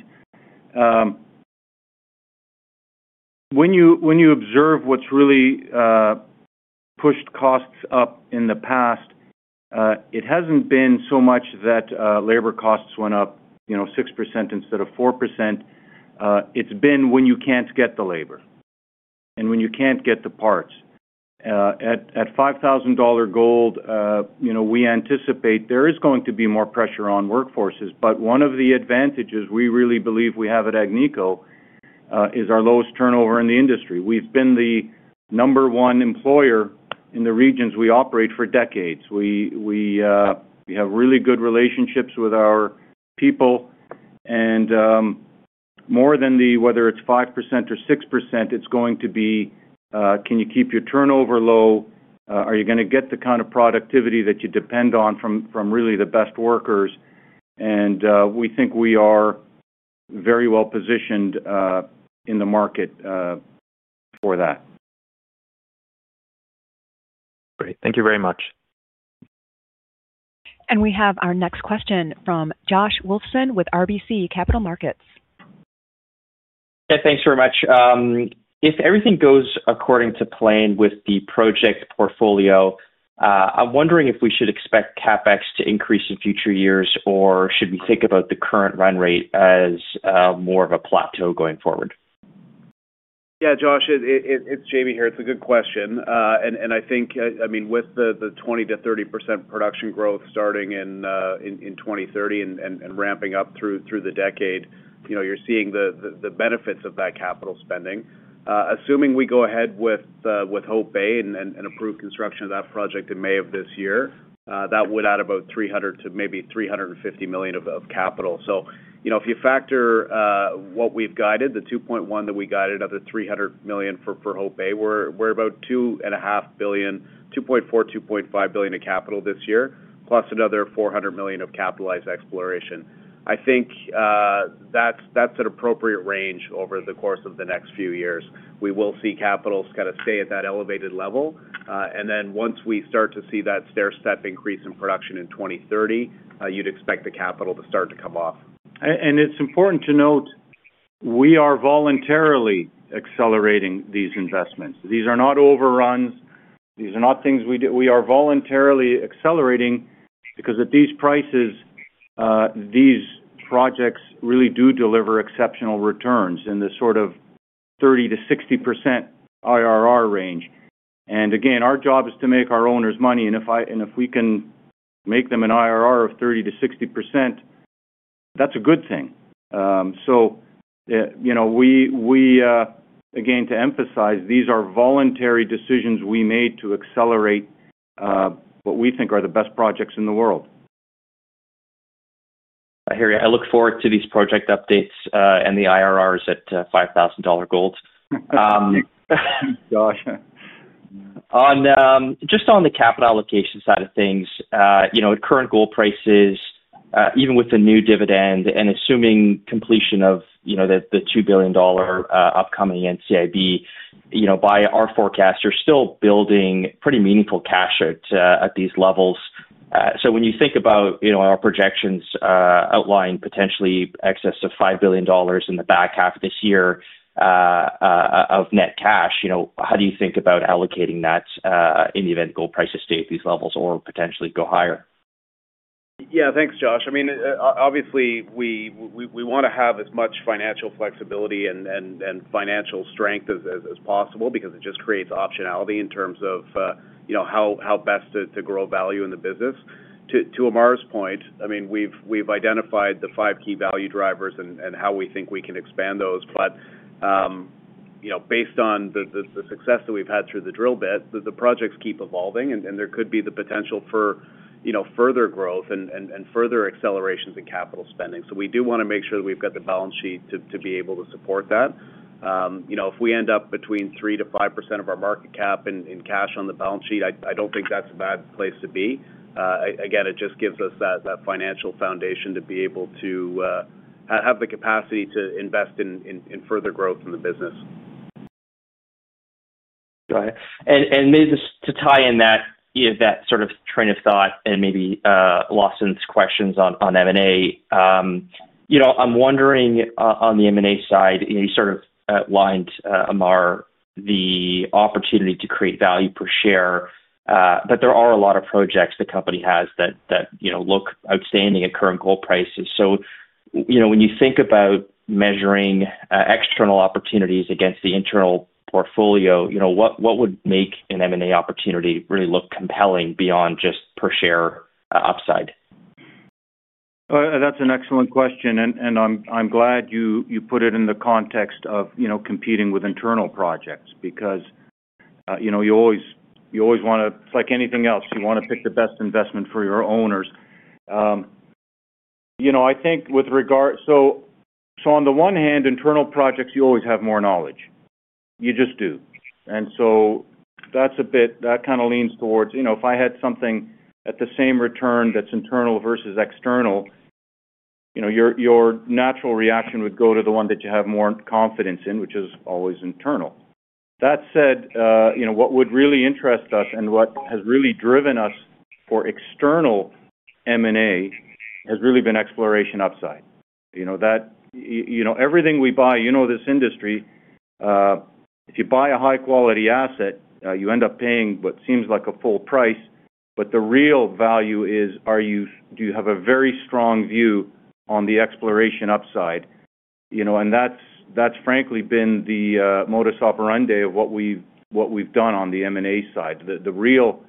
when you observe what's really pushed costs up in the past, it hasn't been so much that labor costs went up, you know, 6% instead of 4%. It's been when you can't get the labor and when you can't get the parts. At $5,000 gold, you know, we anticipate there is going to be more pressure on workforces, but one of the advantages we really believe we have at Agnico is our lowest turnover in the industry. We've been the number one employer in the regions we operate for decades. We have really good relationships with our people and, more than whether it's 5% or 6%, it's going to be, can you keep your turnover low? Are you gonna get the kind of productivity that you depend on from really the best workers? And we think we are very well positioned in the market for that. Great. Thank you very much. We have our next question from Josh Wolfson with RBC Capital Markets. Yeah, thanks very much. If everything goes according to plan with the project portfolio... I'm wondering if we should expect CapEx to increase in future years, or should we think about the current run rate as, more of a plateau going forward? Yeah, Josh, it's Jamie here. It's a good question. And I think, I mean, with the 20%-30% production growth starting in 2030 and ramping up through the decade, you know, you're seeing the benefits of that capital spending. Assuming we go ahead with Hope Bay and approve construction of that project in May of this year, that would add about $300 million-$350 million of capital. So, you know, if you factor what we've guided, the 2.1 that we guided, another $300 million for Hope Bay, we're about $2.5 billion, $2.4-$2.5 billion of capital this year, plus another $400 million of capitalized exploration. I think, that's, that's an appropriate range over the course of the next few years. We will see capitals kind of stay at that elevated level. And then once we start to see that stairstep increase in production in 2030, you'd expect the capital to start to come off. It's important to note, we are voluntarily accelerating these investments. These are not overruns. These are not things we do. We are voluntarily accelerating, because at these prices, these projects really do deliver exceptional returns in the sort of 30%-60% IRR range. And again, our job is to make our owners money, and if we can make them an IRR of 30%-60%, that's a good thing. So, you know, again, to emphasize, these are voluntary decisions we made to accelerate what we think are the best projects in the world. I hear you. I look forward to these project updates, and the IRRs at $5,000 gold. Josh. Just on the capital allocation side of things, you know, at current gold prices, even with the new dividend, and assuming completion of, you know, the $2 billion upcoming NCIB, you know, by our forecast, you're still building pretty meaningful cash at these levels. So when you think about, you know, our projections, outlining potentially excess of $5 billion in the back half of this year of net cash, you know, how do you think about allocating that in the event gold prices stay at these levels or potentially go higher? Yeah. Thanks, Josh. I mean, obviously, we wanna have as much financial flexibility and financial strength as possible because it just creates optionality in terms of, you know, how best to grow value in the business. To Ammar's point, I mean, we've identified the five key value drivers and how we think we can expand those. But, you know, based on the success that we've had through the drill bit, the projects keep evolving, and there could be the potential for, you know, further growth and further accelerations in capital spending. So we do wanna make sure that we've got the balance sheet to be able to support that. You know, if we end up between 3%-5% of our market cap in cash on the balance sheet, I don't think that's a bad place to be. Again, it just gives us that financial foundation to be able to have the capacity to invest in further growth in the business. Got it. And maybe just to tie in that, you know, that sort of train of thought and maybe, Lawson's questions on, on M&A. You know, I'm wondering on the M&A side, you sort of outlined, Amaruq, the opportunity to create value per share, but there are a lot of projects the company has that, that, you know, look outstanding at current gold prices. So, you know, when you think about measuring, external opportunities against the internal portfolio, you know, what, what would make an M&A opportunity really look compelling beyond just per share, upside? That's an excellent question, and I'm glad you put it in the context of, you know, competing with internal projects. Because, you know, you always wanna— It's like anything else: you wanna pick the best investment for your owners. You know, I think with regard. So on the one hand, internal projects, you always have more knowledge. You just do. And so that's a bit, that kind of leans towards, you know, if I had something at the same return that's internal versus external, you know, your natural reaction would go to the one that you have more confidence in, which is always internal. That said, you know, what would really interest us and what has really driven us for external M&A has really been exploration upside. You know, that you know, everything we buy, you know this industry, if you buy a high-quality asset, you end up paying what seems like a full price, but the real value is, do you have a very strong view on the exploration upside? You know, and that's, that's frankly been the modus operandi of what we've, what we've done on the M&A side. The, the real,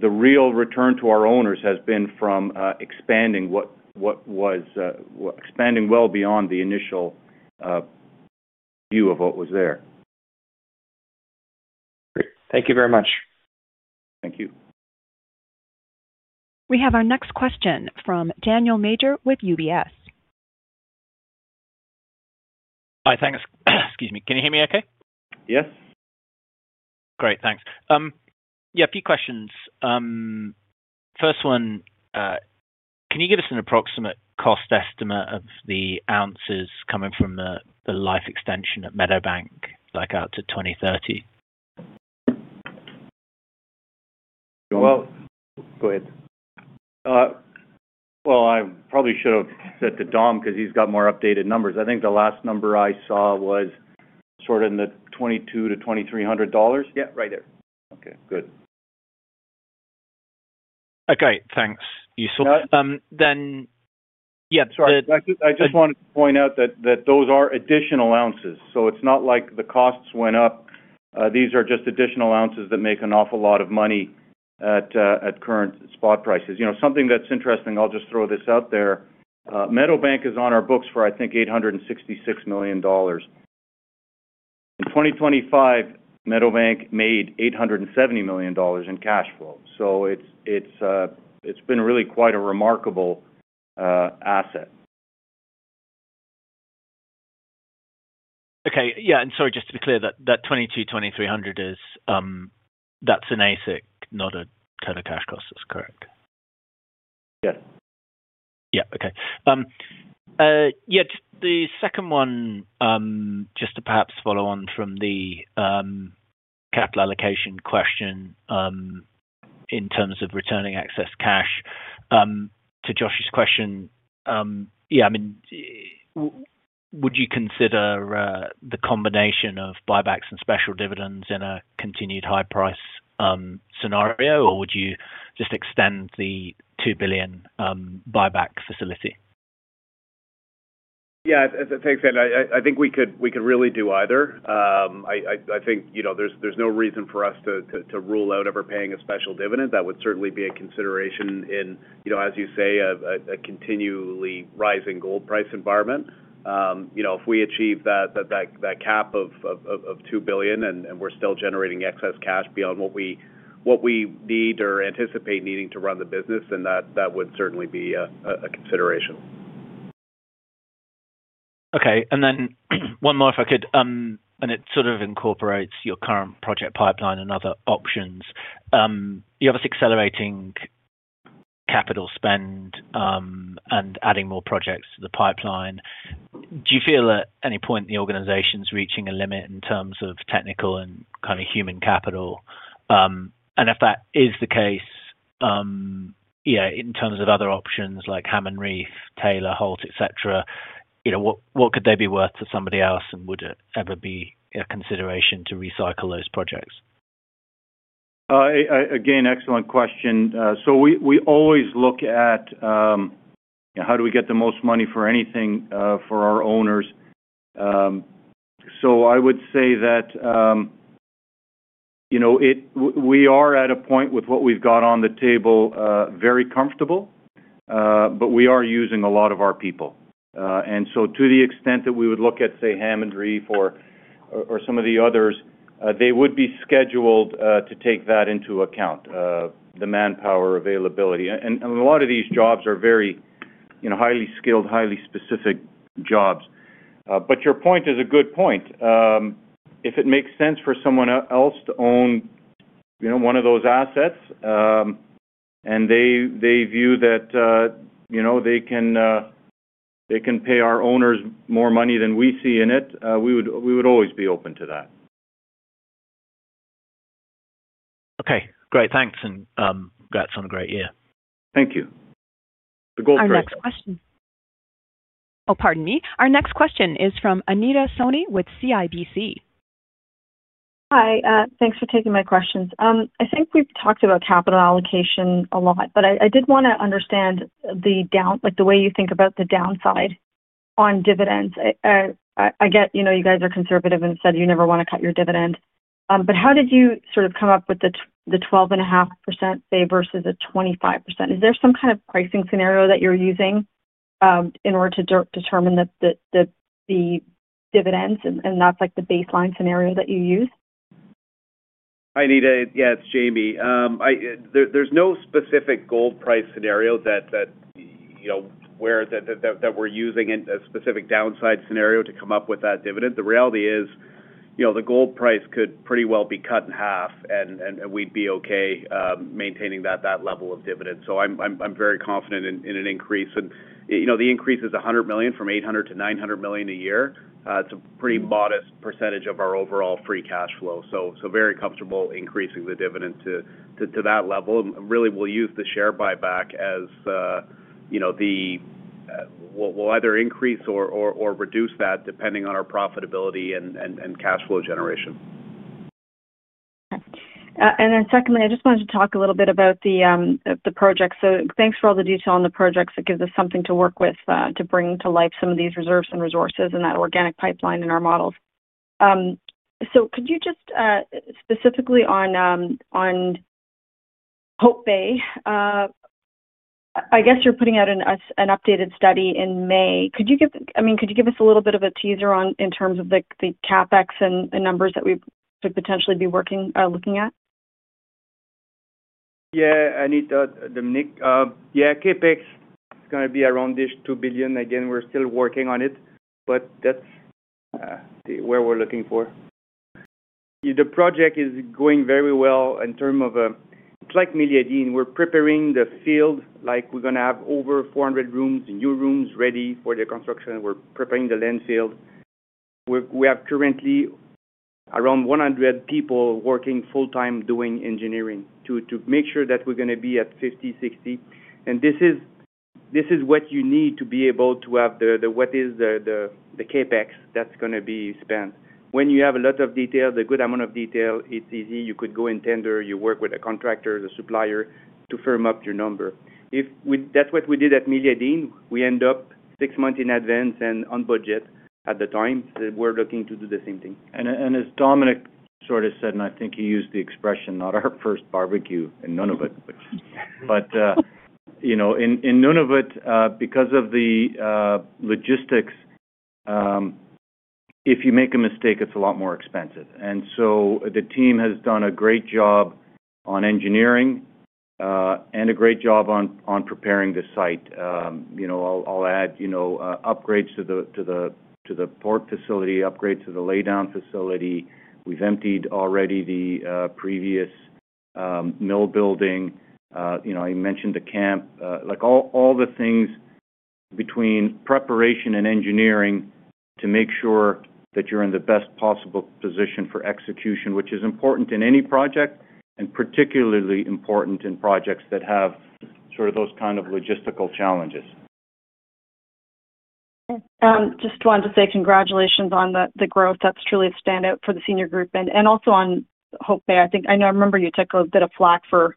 the real return to our owners has been from expanding what was expanding well beyond the initial view of what was there. Great. Thank you very much. Thank you. We have our next question from Daniel Major with UBS. Hi, thanks. Excuse me. Can you hear me okay? Yes. Great, thanks. Yeah, a few questions. First one, can you give us an approximate cost estimate of the oz coming from the life extension at Meadowbank, like, out to 2030? Well, go ahead. Well, I probably should have said to Dom, because he's got more updated numbers. I think the last number I saw was sort of in the $2,200-$2,300? Yeah, right there. Okay, good. Okay, thanks. You saw, then, yeah, sorry- I just wanted to point out that those are additional oz, so it's not like the costs went up. These are just additional oz that make an awful lot of money at current spot prices. You know, something that's interesting, I'll just throw this out there. Meadowbank is on our books for, I think, $866 million. In 2025, Meadowbank made $870 million in cash flow. So it's been really quite a remarkable asset. Okay. Yeah, and sorry, just to be clear, that, that $2,200-$2,300 is, that's an AISC, not a kind of cash cost, is correct? Yeah. Yeah. Okay. Yeah, the second one, just to perhaps follow on from the, capital allocation question, in terms of returning excess cash, to Josh's question. Yeah, I mean, would you consider the combination of buybacks and special dividends in a continued high price scenario? Or would you just extend the $2 billion buyback facility? Yeah, thanks, Dan. I think we could really do either. I think, you know, there's no reason for us to rule out ever paying a special dividend. That would certainly be a consideration in, you know, as you say, a continually rising gold price environment. You know, if we achieve that cap of $2 billion, and we're still generating excess cash beyond what we need or anticipate needing to run the business, then that would certainly be a consideration. Okay, and then one more, if I could, and it sort of incorporates your current project pipeline and other options. You have us accelerating capital spend, and adding more projects to the pipeline. Do you feel at any point the organization's reaching a limit in terms of technical and kind of human capital? And if that is the case, yeah, in terms of other options like Hammond Reef, Taylor, Holt, et cetera, you know, what, what could they be worth to somebody else? And would it ever be a consideration to recycle those projects? Again, excellent question. So we always look at how do we get the most money for anything for our owners. So I would say that, you know, we are at a point with what we've got on the table, very comfortable, but we are using a lot of our people. And so to the extent that we would look at, say, Hammond Reef or some of the others, they would be scheduled to take that into account, the manpower availability. And a lot of these jobs are very, you know, highly skilled, highly specific jobs. But your point is a good point. If it makes sense for someone else to own, you know, one of those assets, and they view that, you know, they can pay our owners more money than we see in it, we would always be open to that. Okay, great. Thanks, and, congrats on a great year. Thank you. The gold price- Our next question. Oh, pardon me. Our next question is from Anita Soni with CIBC. Hi, thanks for taking my questions. I think we've talked about capital allocation a lot, but I did want to understand, like the way you think about the downside on dividends. I get, you know, you guys are conservative and said you never want to cut your dividend. But how did you sort of come up with the 12.5%, say, versus a 25%? Is there some kind of pricing scenario that you're using in order to determine the dividends, and that's, like, the baseline scenario that you use? Hi, Anita. Yes, Jamie. There's no specific gold price scenario that you know where that we're using a specific downside scenario to come up with that dividend. The reality is, you know, the gold price could pretty well be cut in half, and we'd be okay maintaining that level of dividends. So I'm very confident in an increase. And, you know, the increase is $100 million, from $800-$900 million a year. It's a pretty modest percentage of our overall free cash flow, so very comfortable increasing the dividend to that level. Really, we'll use the share buyback as you know we'll either increase or reduce that depending on our profitability and cash flow generation. Then secondly, I just wanted to talk a little bit about the project. So thanks for all the detail on the projects. It gives us something to work with to bring to life some of these reserves and resources and that organic pipeline in our models. So could you just specifically on Hope Bay, I guess you're putting out an updated study in May. Could you give... I mean, could you give us a little bit of a teaser on, in terms of the CapEx and numbers that we could potentially be working, looking at? Yeah, Anita, Dominic. Yeah, CapEx is going to be around $2 billion. Again, we're still working on it, but that's where we're looking for. The project is going very well in terms of, like Meliadine, we're preparing the field, like, we're going to have over 400 rooms, new rooms, ready for the construction. We're preparing the land field. We have currently around 100 people working full-time doing engineering to make sure that we're gonna be at 50, 60. And this is what you need to be able to have the CapEx that's gonna be spent. When you have a lot of detail, a good amount of detail, it's easy. You could go and tender, you work with a contractor, the supplier, to firm up your number. That's what we did at Meliadine. We end up six months in advance and on budget at the time. We're looking to do the same thing. As Dominic sort of said, and I think he used the expression, not our first barbecue in Nunavut. But you know, in Nunavut, because of the logistics, if you make a mistake, it's a lot more expensive. And so the team has done a great job on engineering, and a great job on preparing the site. You know, I'll add, you know, upgrades to the port facility, upgrade to the laydown facility. We've emptied already the previous mill building. You know, I mentioned the camp, like, all the things between preparation and engineering to make sure that you're in the best possible position for execution, which is important in any project, and particularly important in projects that have sort of those kind of logistical challenges. Just wanted to say congratulations on the, the growth. That's truly a standout for the senior group and, and also on Hope Bay. I think... I know, I remember you took a bit of flak for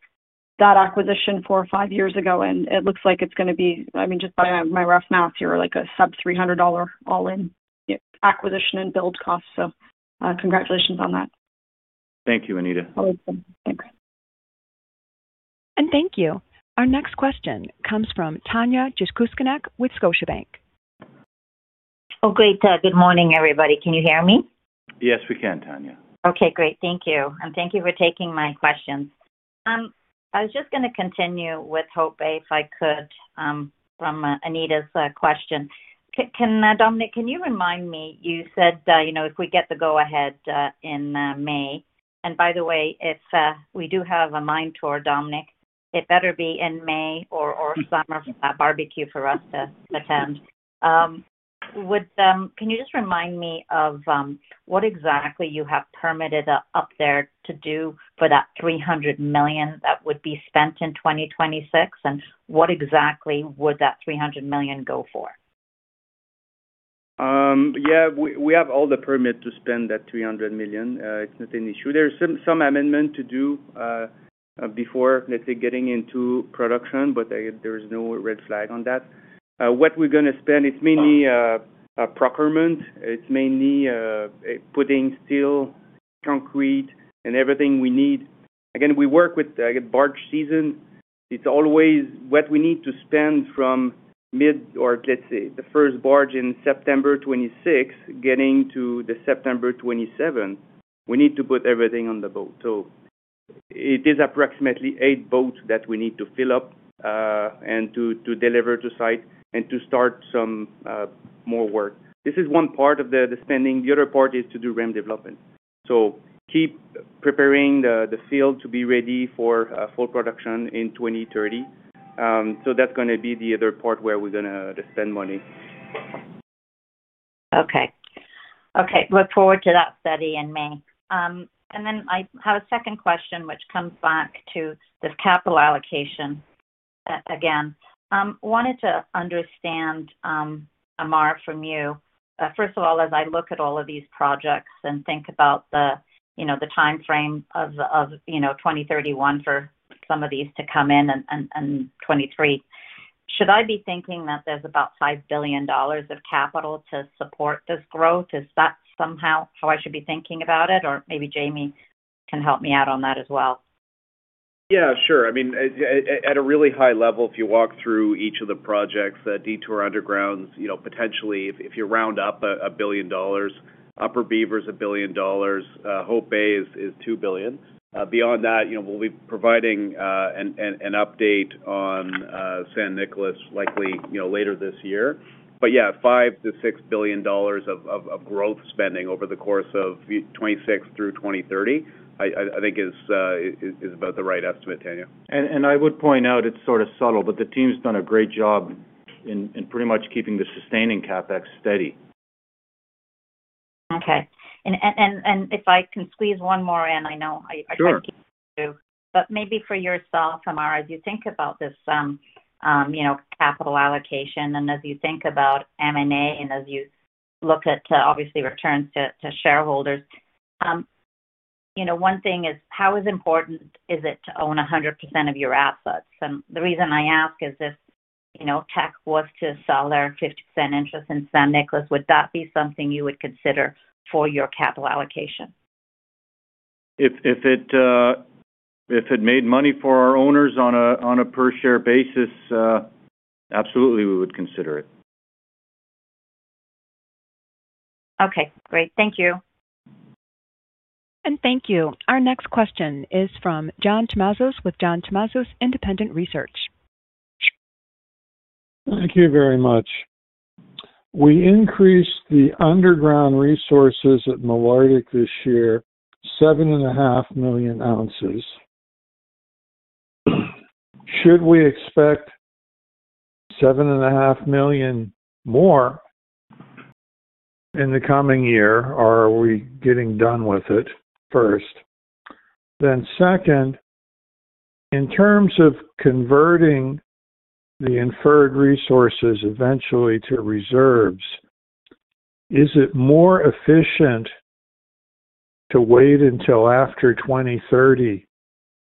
that acquisition four or five years ago, and it looks like it's gonna be, I mean, just by my, my rough math, you're like a sub-$300 all-in acquisition and build cost. So, congratulations on that. Thank you, Anita. Welcome. Thanks. Thank you. Our next question comes from Tanya Jakusconek with Scotiabank. Oh, great. Good morning, everybody. Can you hear me? Yes, we can, Tanya. Okay, great. Thank you. And thank you for taking my questions. I was just gonna continue with Hope Bay, if I could, from Anita's question. Dominic, can you remind me, you said, you know, if we get the go-ahead in May, and by the way, if we do have a mine tour, Dominic, it better be in May or summer barbecue for us to attend. Can you just remind me of what exactly you have permitted up there to do for that $300 million that would be spent in 2026? And what exactly would that $300 million go for? Yeah, we have all the permit to spend that $300 million. It's not an issue. There's some amendment to do before, let's say, getting into production, but there is no red flag on that. What we're gonna spend, it's mainly a procurement. It's mainly putting steel, concrete, and everything we need. Again, we work with barge season. It's always what we need to spend from mid or, let's say, the first barge in September 2026, getting to the September 2027. We need to put everything on the boat. So it is approximately eight boats that we need to fill up and to deliver to site and to start some more work. This is one part of the spending. The other part is to do ramp development. So keep preparing the field to be ready for full production in 2030. So that's gonna be the other part where we're gonna to spend money. Okay. Okay, look forward to that study in May. And then I have a second question, which comes back to this capital allocation, again. Wanted to understand, Ammar, from you. First of all, as I look at all of these projects and think about the, you know, the time frame of 2031 for some of these to come in and 2023. Should I be thinking that there's about $5 billion of capital to support this growth? Is that somehow how I should be thinking about it? Or maybe Jamie can help me out on that as well. Yeah, sure. I mean, at a really high level, if you walk through each of the projects, the Detour Underground, you know, potentially if you round up $1 billion, Upper Beaver is $1 billion, Hope Bay is $2 billion. Beyond that, you know, we'll be providing an update on San Nicolás, likely, you know, later this year. But yeah, $5 billion-$6 billion of growth spending over the course of 2026 through 2030, I think is about the right estimate, Tanya. And I would point out it's sort of subtle, but the team's done a great job in pretty much keeping the sustaining CapEx steady. Okay. And if I can squeeze one more in, I know I- Sure. But maybe for yourself, Ammar, as you think about this, you know, capital allocation, and as you think about M&A, and as you look at, obviously returns to, to shareholders, you know, one thing is, how important is it to own 100% of your assets? And the reason I ask is if, you know, Teck was to sell their 50% interest in San Nicolás, would that be something you would consider for your capital allocation? If it made money for our owners on a per share basis, absolutely, we would consider it. Okay, great. Thank you. Thank you. Our next question is from John Tumazos with John Tumazos Very Independent Research. Thank you very much. We increased the underground resources at Malartic this year, 7.5 million oz.... Should we expect 7.5 million more in the coming year, or are we getting done with it first? Then, second, in terms of converting the inferred resources eventually to reserves, is it more efficient to wait until after 2030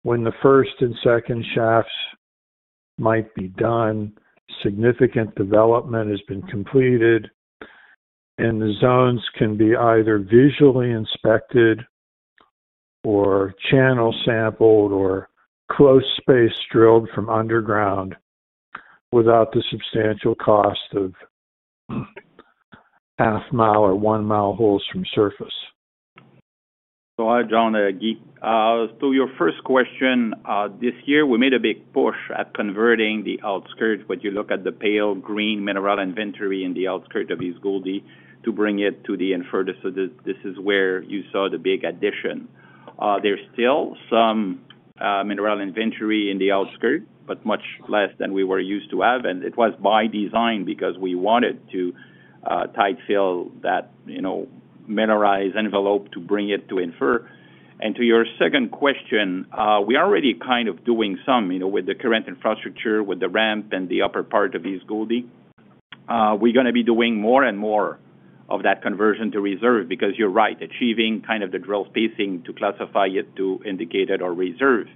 when the first and second shafts might be done, significant development has been completed, and the zones can be either visually inspected or channel sampled or close space drilled from underground without the substantial cost of half-mile or one-mile holes from surface? So I, John, to your first question, this year, we made a big push at converting the outskirts. When you look at the pale green mineral inventory in the outskirts of East Gouldie, to bring it to the inferred. So this, this is where you saw the big addition. There's still some mineral inventory in the outskirts, but much less than we were used to have, and it was by design because we wanted to tight fill that, you know, mineralized envelope to bring it to inferred. And to your second question, we are already kind of doing some, you know, with the current infrastructure, with the ramp and the upper part of East Gouldie. We're gonna be doing more and more of that conversion to reserve, because you're right, achieving kind of the drill spacing to classify it to indicated or reserve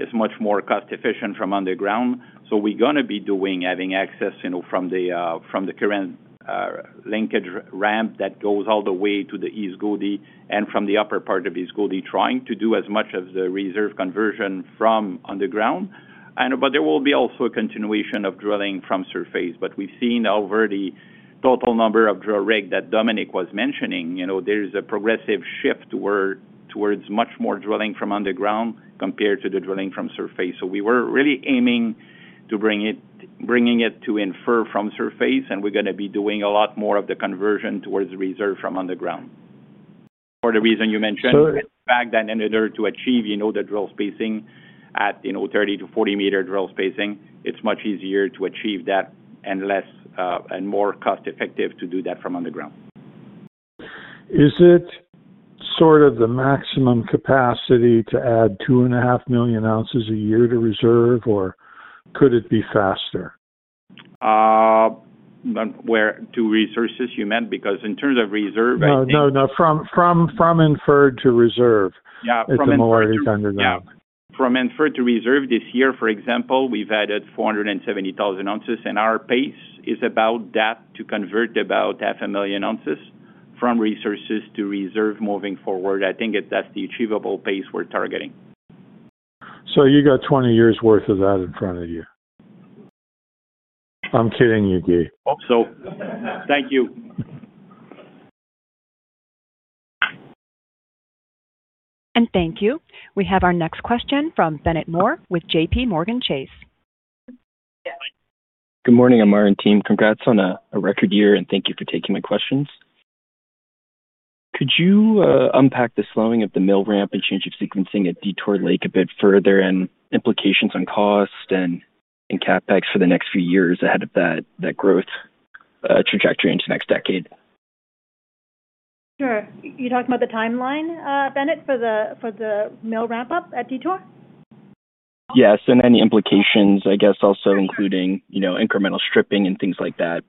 is much more cost efficient from underground. So we're gonna be doing, having access, you know, from the current linkage ramp that goes all the way to the East Gouldie and from the upper part of East Gouldie, trying to do as much of the reserve conversion from underground. And, but there will be also a continuation of drilling from surface. But we've seen already total number of drill rig that Dominic was mentioning. You know, there is a progressive shift toward, towards much more drilling from underground compared to the drilling from surface. We were really aiming to bring it, bringing it to Inferred from surface, and we're gonna be doing a lot more of the conversion towards reserves from underground, for the reason you mentioned. So- Fact that in order to achieve, you know, the drill spacing at, you know, 30 to 40 m drill spacing, it's much easier to achieve that and less, and more cost-effective to do that from underground. Is it sort of the maximum capacity to add 2.5 million oz a year to reserve, or could it be faster? But where? To resources, you meant, because in terms of reserve, I think- No, no, no. From Inferred to Reserves- Yeah, from inferred- Is the majority underground? Yeah. From inferred to reserve, this year, for example, we've added 470,000 oz, and our pace is about that, to convert about 500,000 oz from resources to reserve moving forward. I think it, that's the achievable pace we're targeting. You got 20 years' worth of that in front of you. I'm kidding you, Guy. Hope so. Thank you. And thank you. We have our next question from Bennett Moore with JP Morgan Chase. Good morning, Ammar and team. Congrats on a record year, and thank you for taking my questions. Could you unpack the slowing of the mill ramp and change of sequencing at Detour Lake a bit further and implications on cost and CapEx for the next few years ahead of that growth trajectory into next decade? Sure. You talked about the timeline, Bennett, for the mill ramp-up at Detour? Yes, and any implications, I guess, also including, you know, incremental stripping and things like that.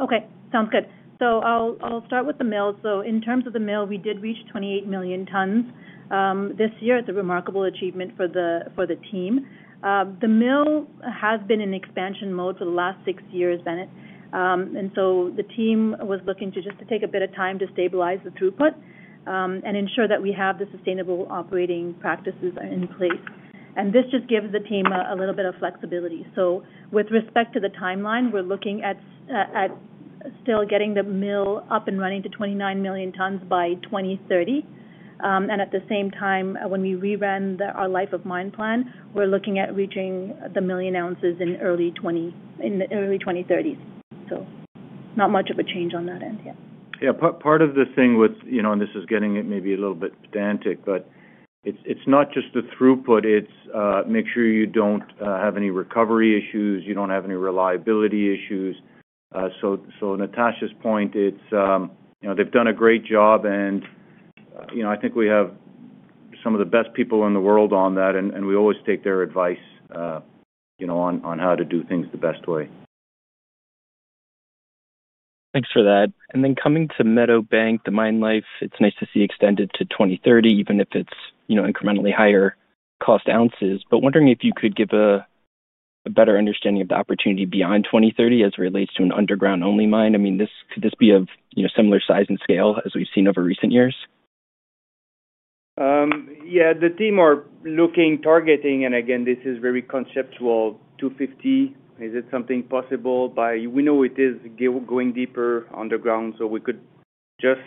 Okay, sounds good. So I'll start with the mill. So in terms of the mill, we did reach 28 million tons this year. It's a remarkable achievement for the team. The mill has been in expansion mode for the last six years, Bennett. And so the team was looking to just take a bit of time to stabilize the throughput and ensure that we have the sustainable operating practices in place. And this just gives the team a little bit of flexibility. So with respect to the timeline, we're looking at still getting the mill up and running to 29 million tons by 2030. And at the same time, when we rerun our life of mine plan, we're looking at reaching 1 million oz in the early 2030s. So not much of a change on that end, yeah. Yeah, part of the thing with, you know, and this is getting it maybe a little bit pedantic, but it's not just the throughput, it's make sure you don't have any recovery issues, you don't have any reliability issues. So, Natasha's point, it's you know, they've done a great job, and, you know, I think we have some of the best people in the world on that, and we always take their advice, you know, on how to do things the best way. Thanks for that. Then coming to Meadowbank, the mine life, it's nice to see extended to 2030, even if it's, you know, incrementally higher cost oz. But wondering if you could give a better understanding of the opportunity beyond 2030 as it relates to an underground-only mine. I mean, this, could this be of, you know, similar size and scale as we've seen over recent years? Yeah, the team are looking, targeting, and again, this is very conceptual, 250. Is it something possible by... We know it is going deeper underground, so we could just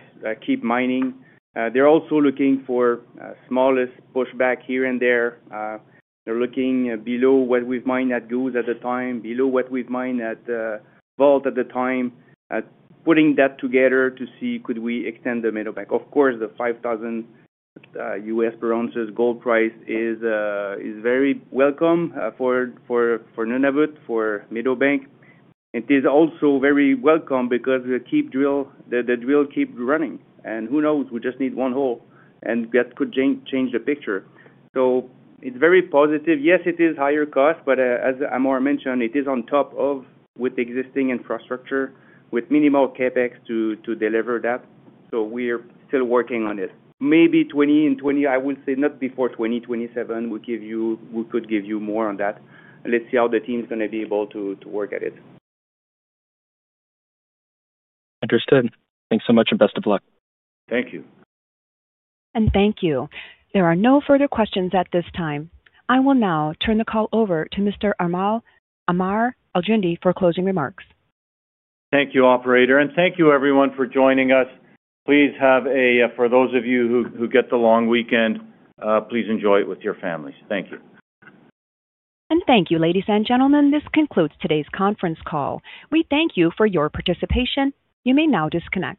keep mining. They're also looking for smallest pushback here and there. They're looking below what we've mined at Goose at the time, below what we've mined at Vault at the time, putting that together to see could we extend the Meadowbank. Of course, the $5,000 per ounce gold price is very welcome for Nunavut, for Meadowbank. It is also very welcome because the drill keeps running, and who knows, we just need one hole, and that could change the picture. So it's very positive. Yes, it is higher cost, but as Ammar mentioned, it is on top of with existing infrastructure, with minimal CapEx to deliver that. So we're still working on it. Maybe 2020, I will say not before 2027, we could give you more on that. Let's see how the team's gonna be able to work at it. Understood. Thanks so much, and best of luck. Thank you. Thank you. There are no further questions at this time. I will now turn the call over to Mr. Ammar Al-Joundi for closing remarks. Thank you, operator. Thank you everyone for joining us. Please have a, for those of you who, who get the long weekend, please enjoy it with your families. Thank you. Thank you, ladies and gentlemen. This concludes today's conference call. We thank you for your participation. You may now disconnect.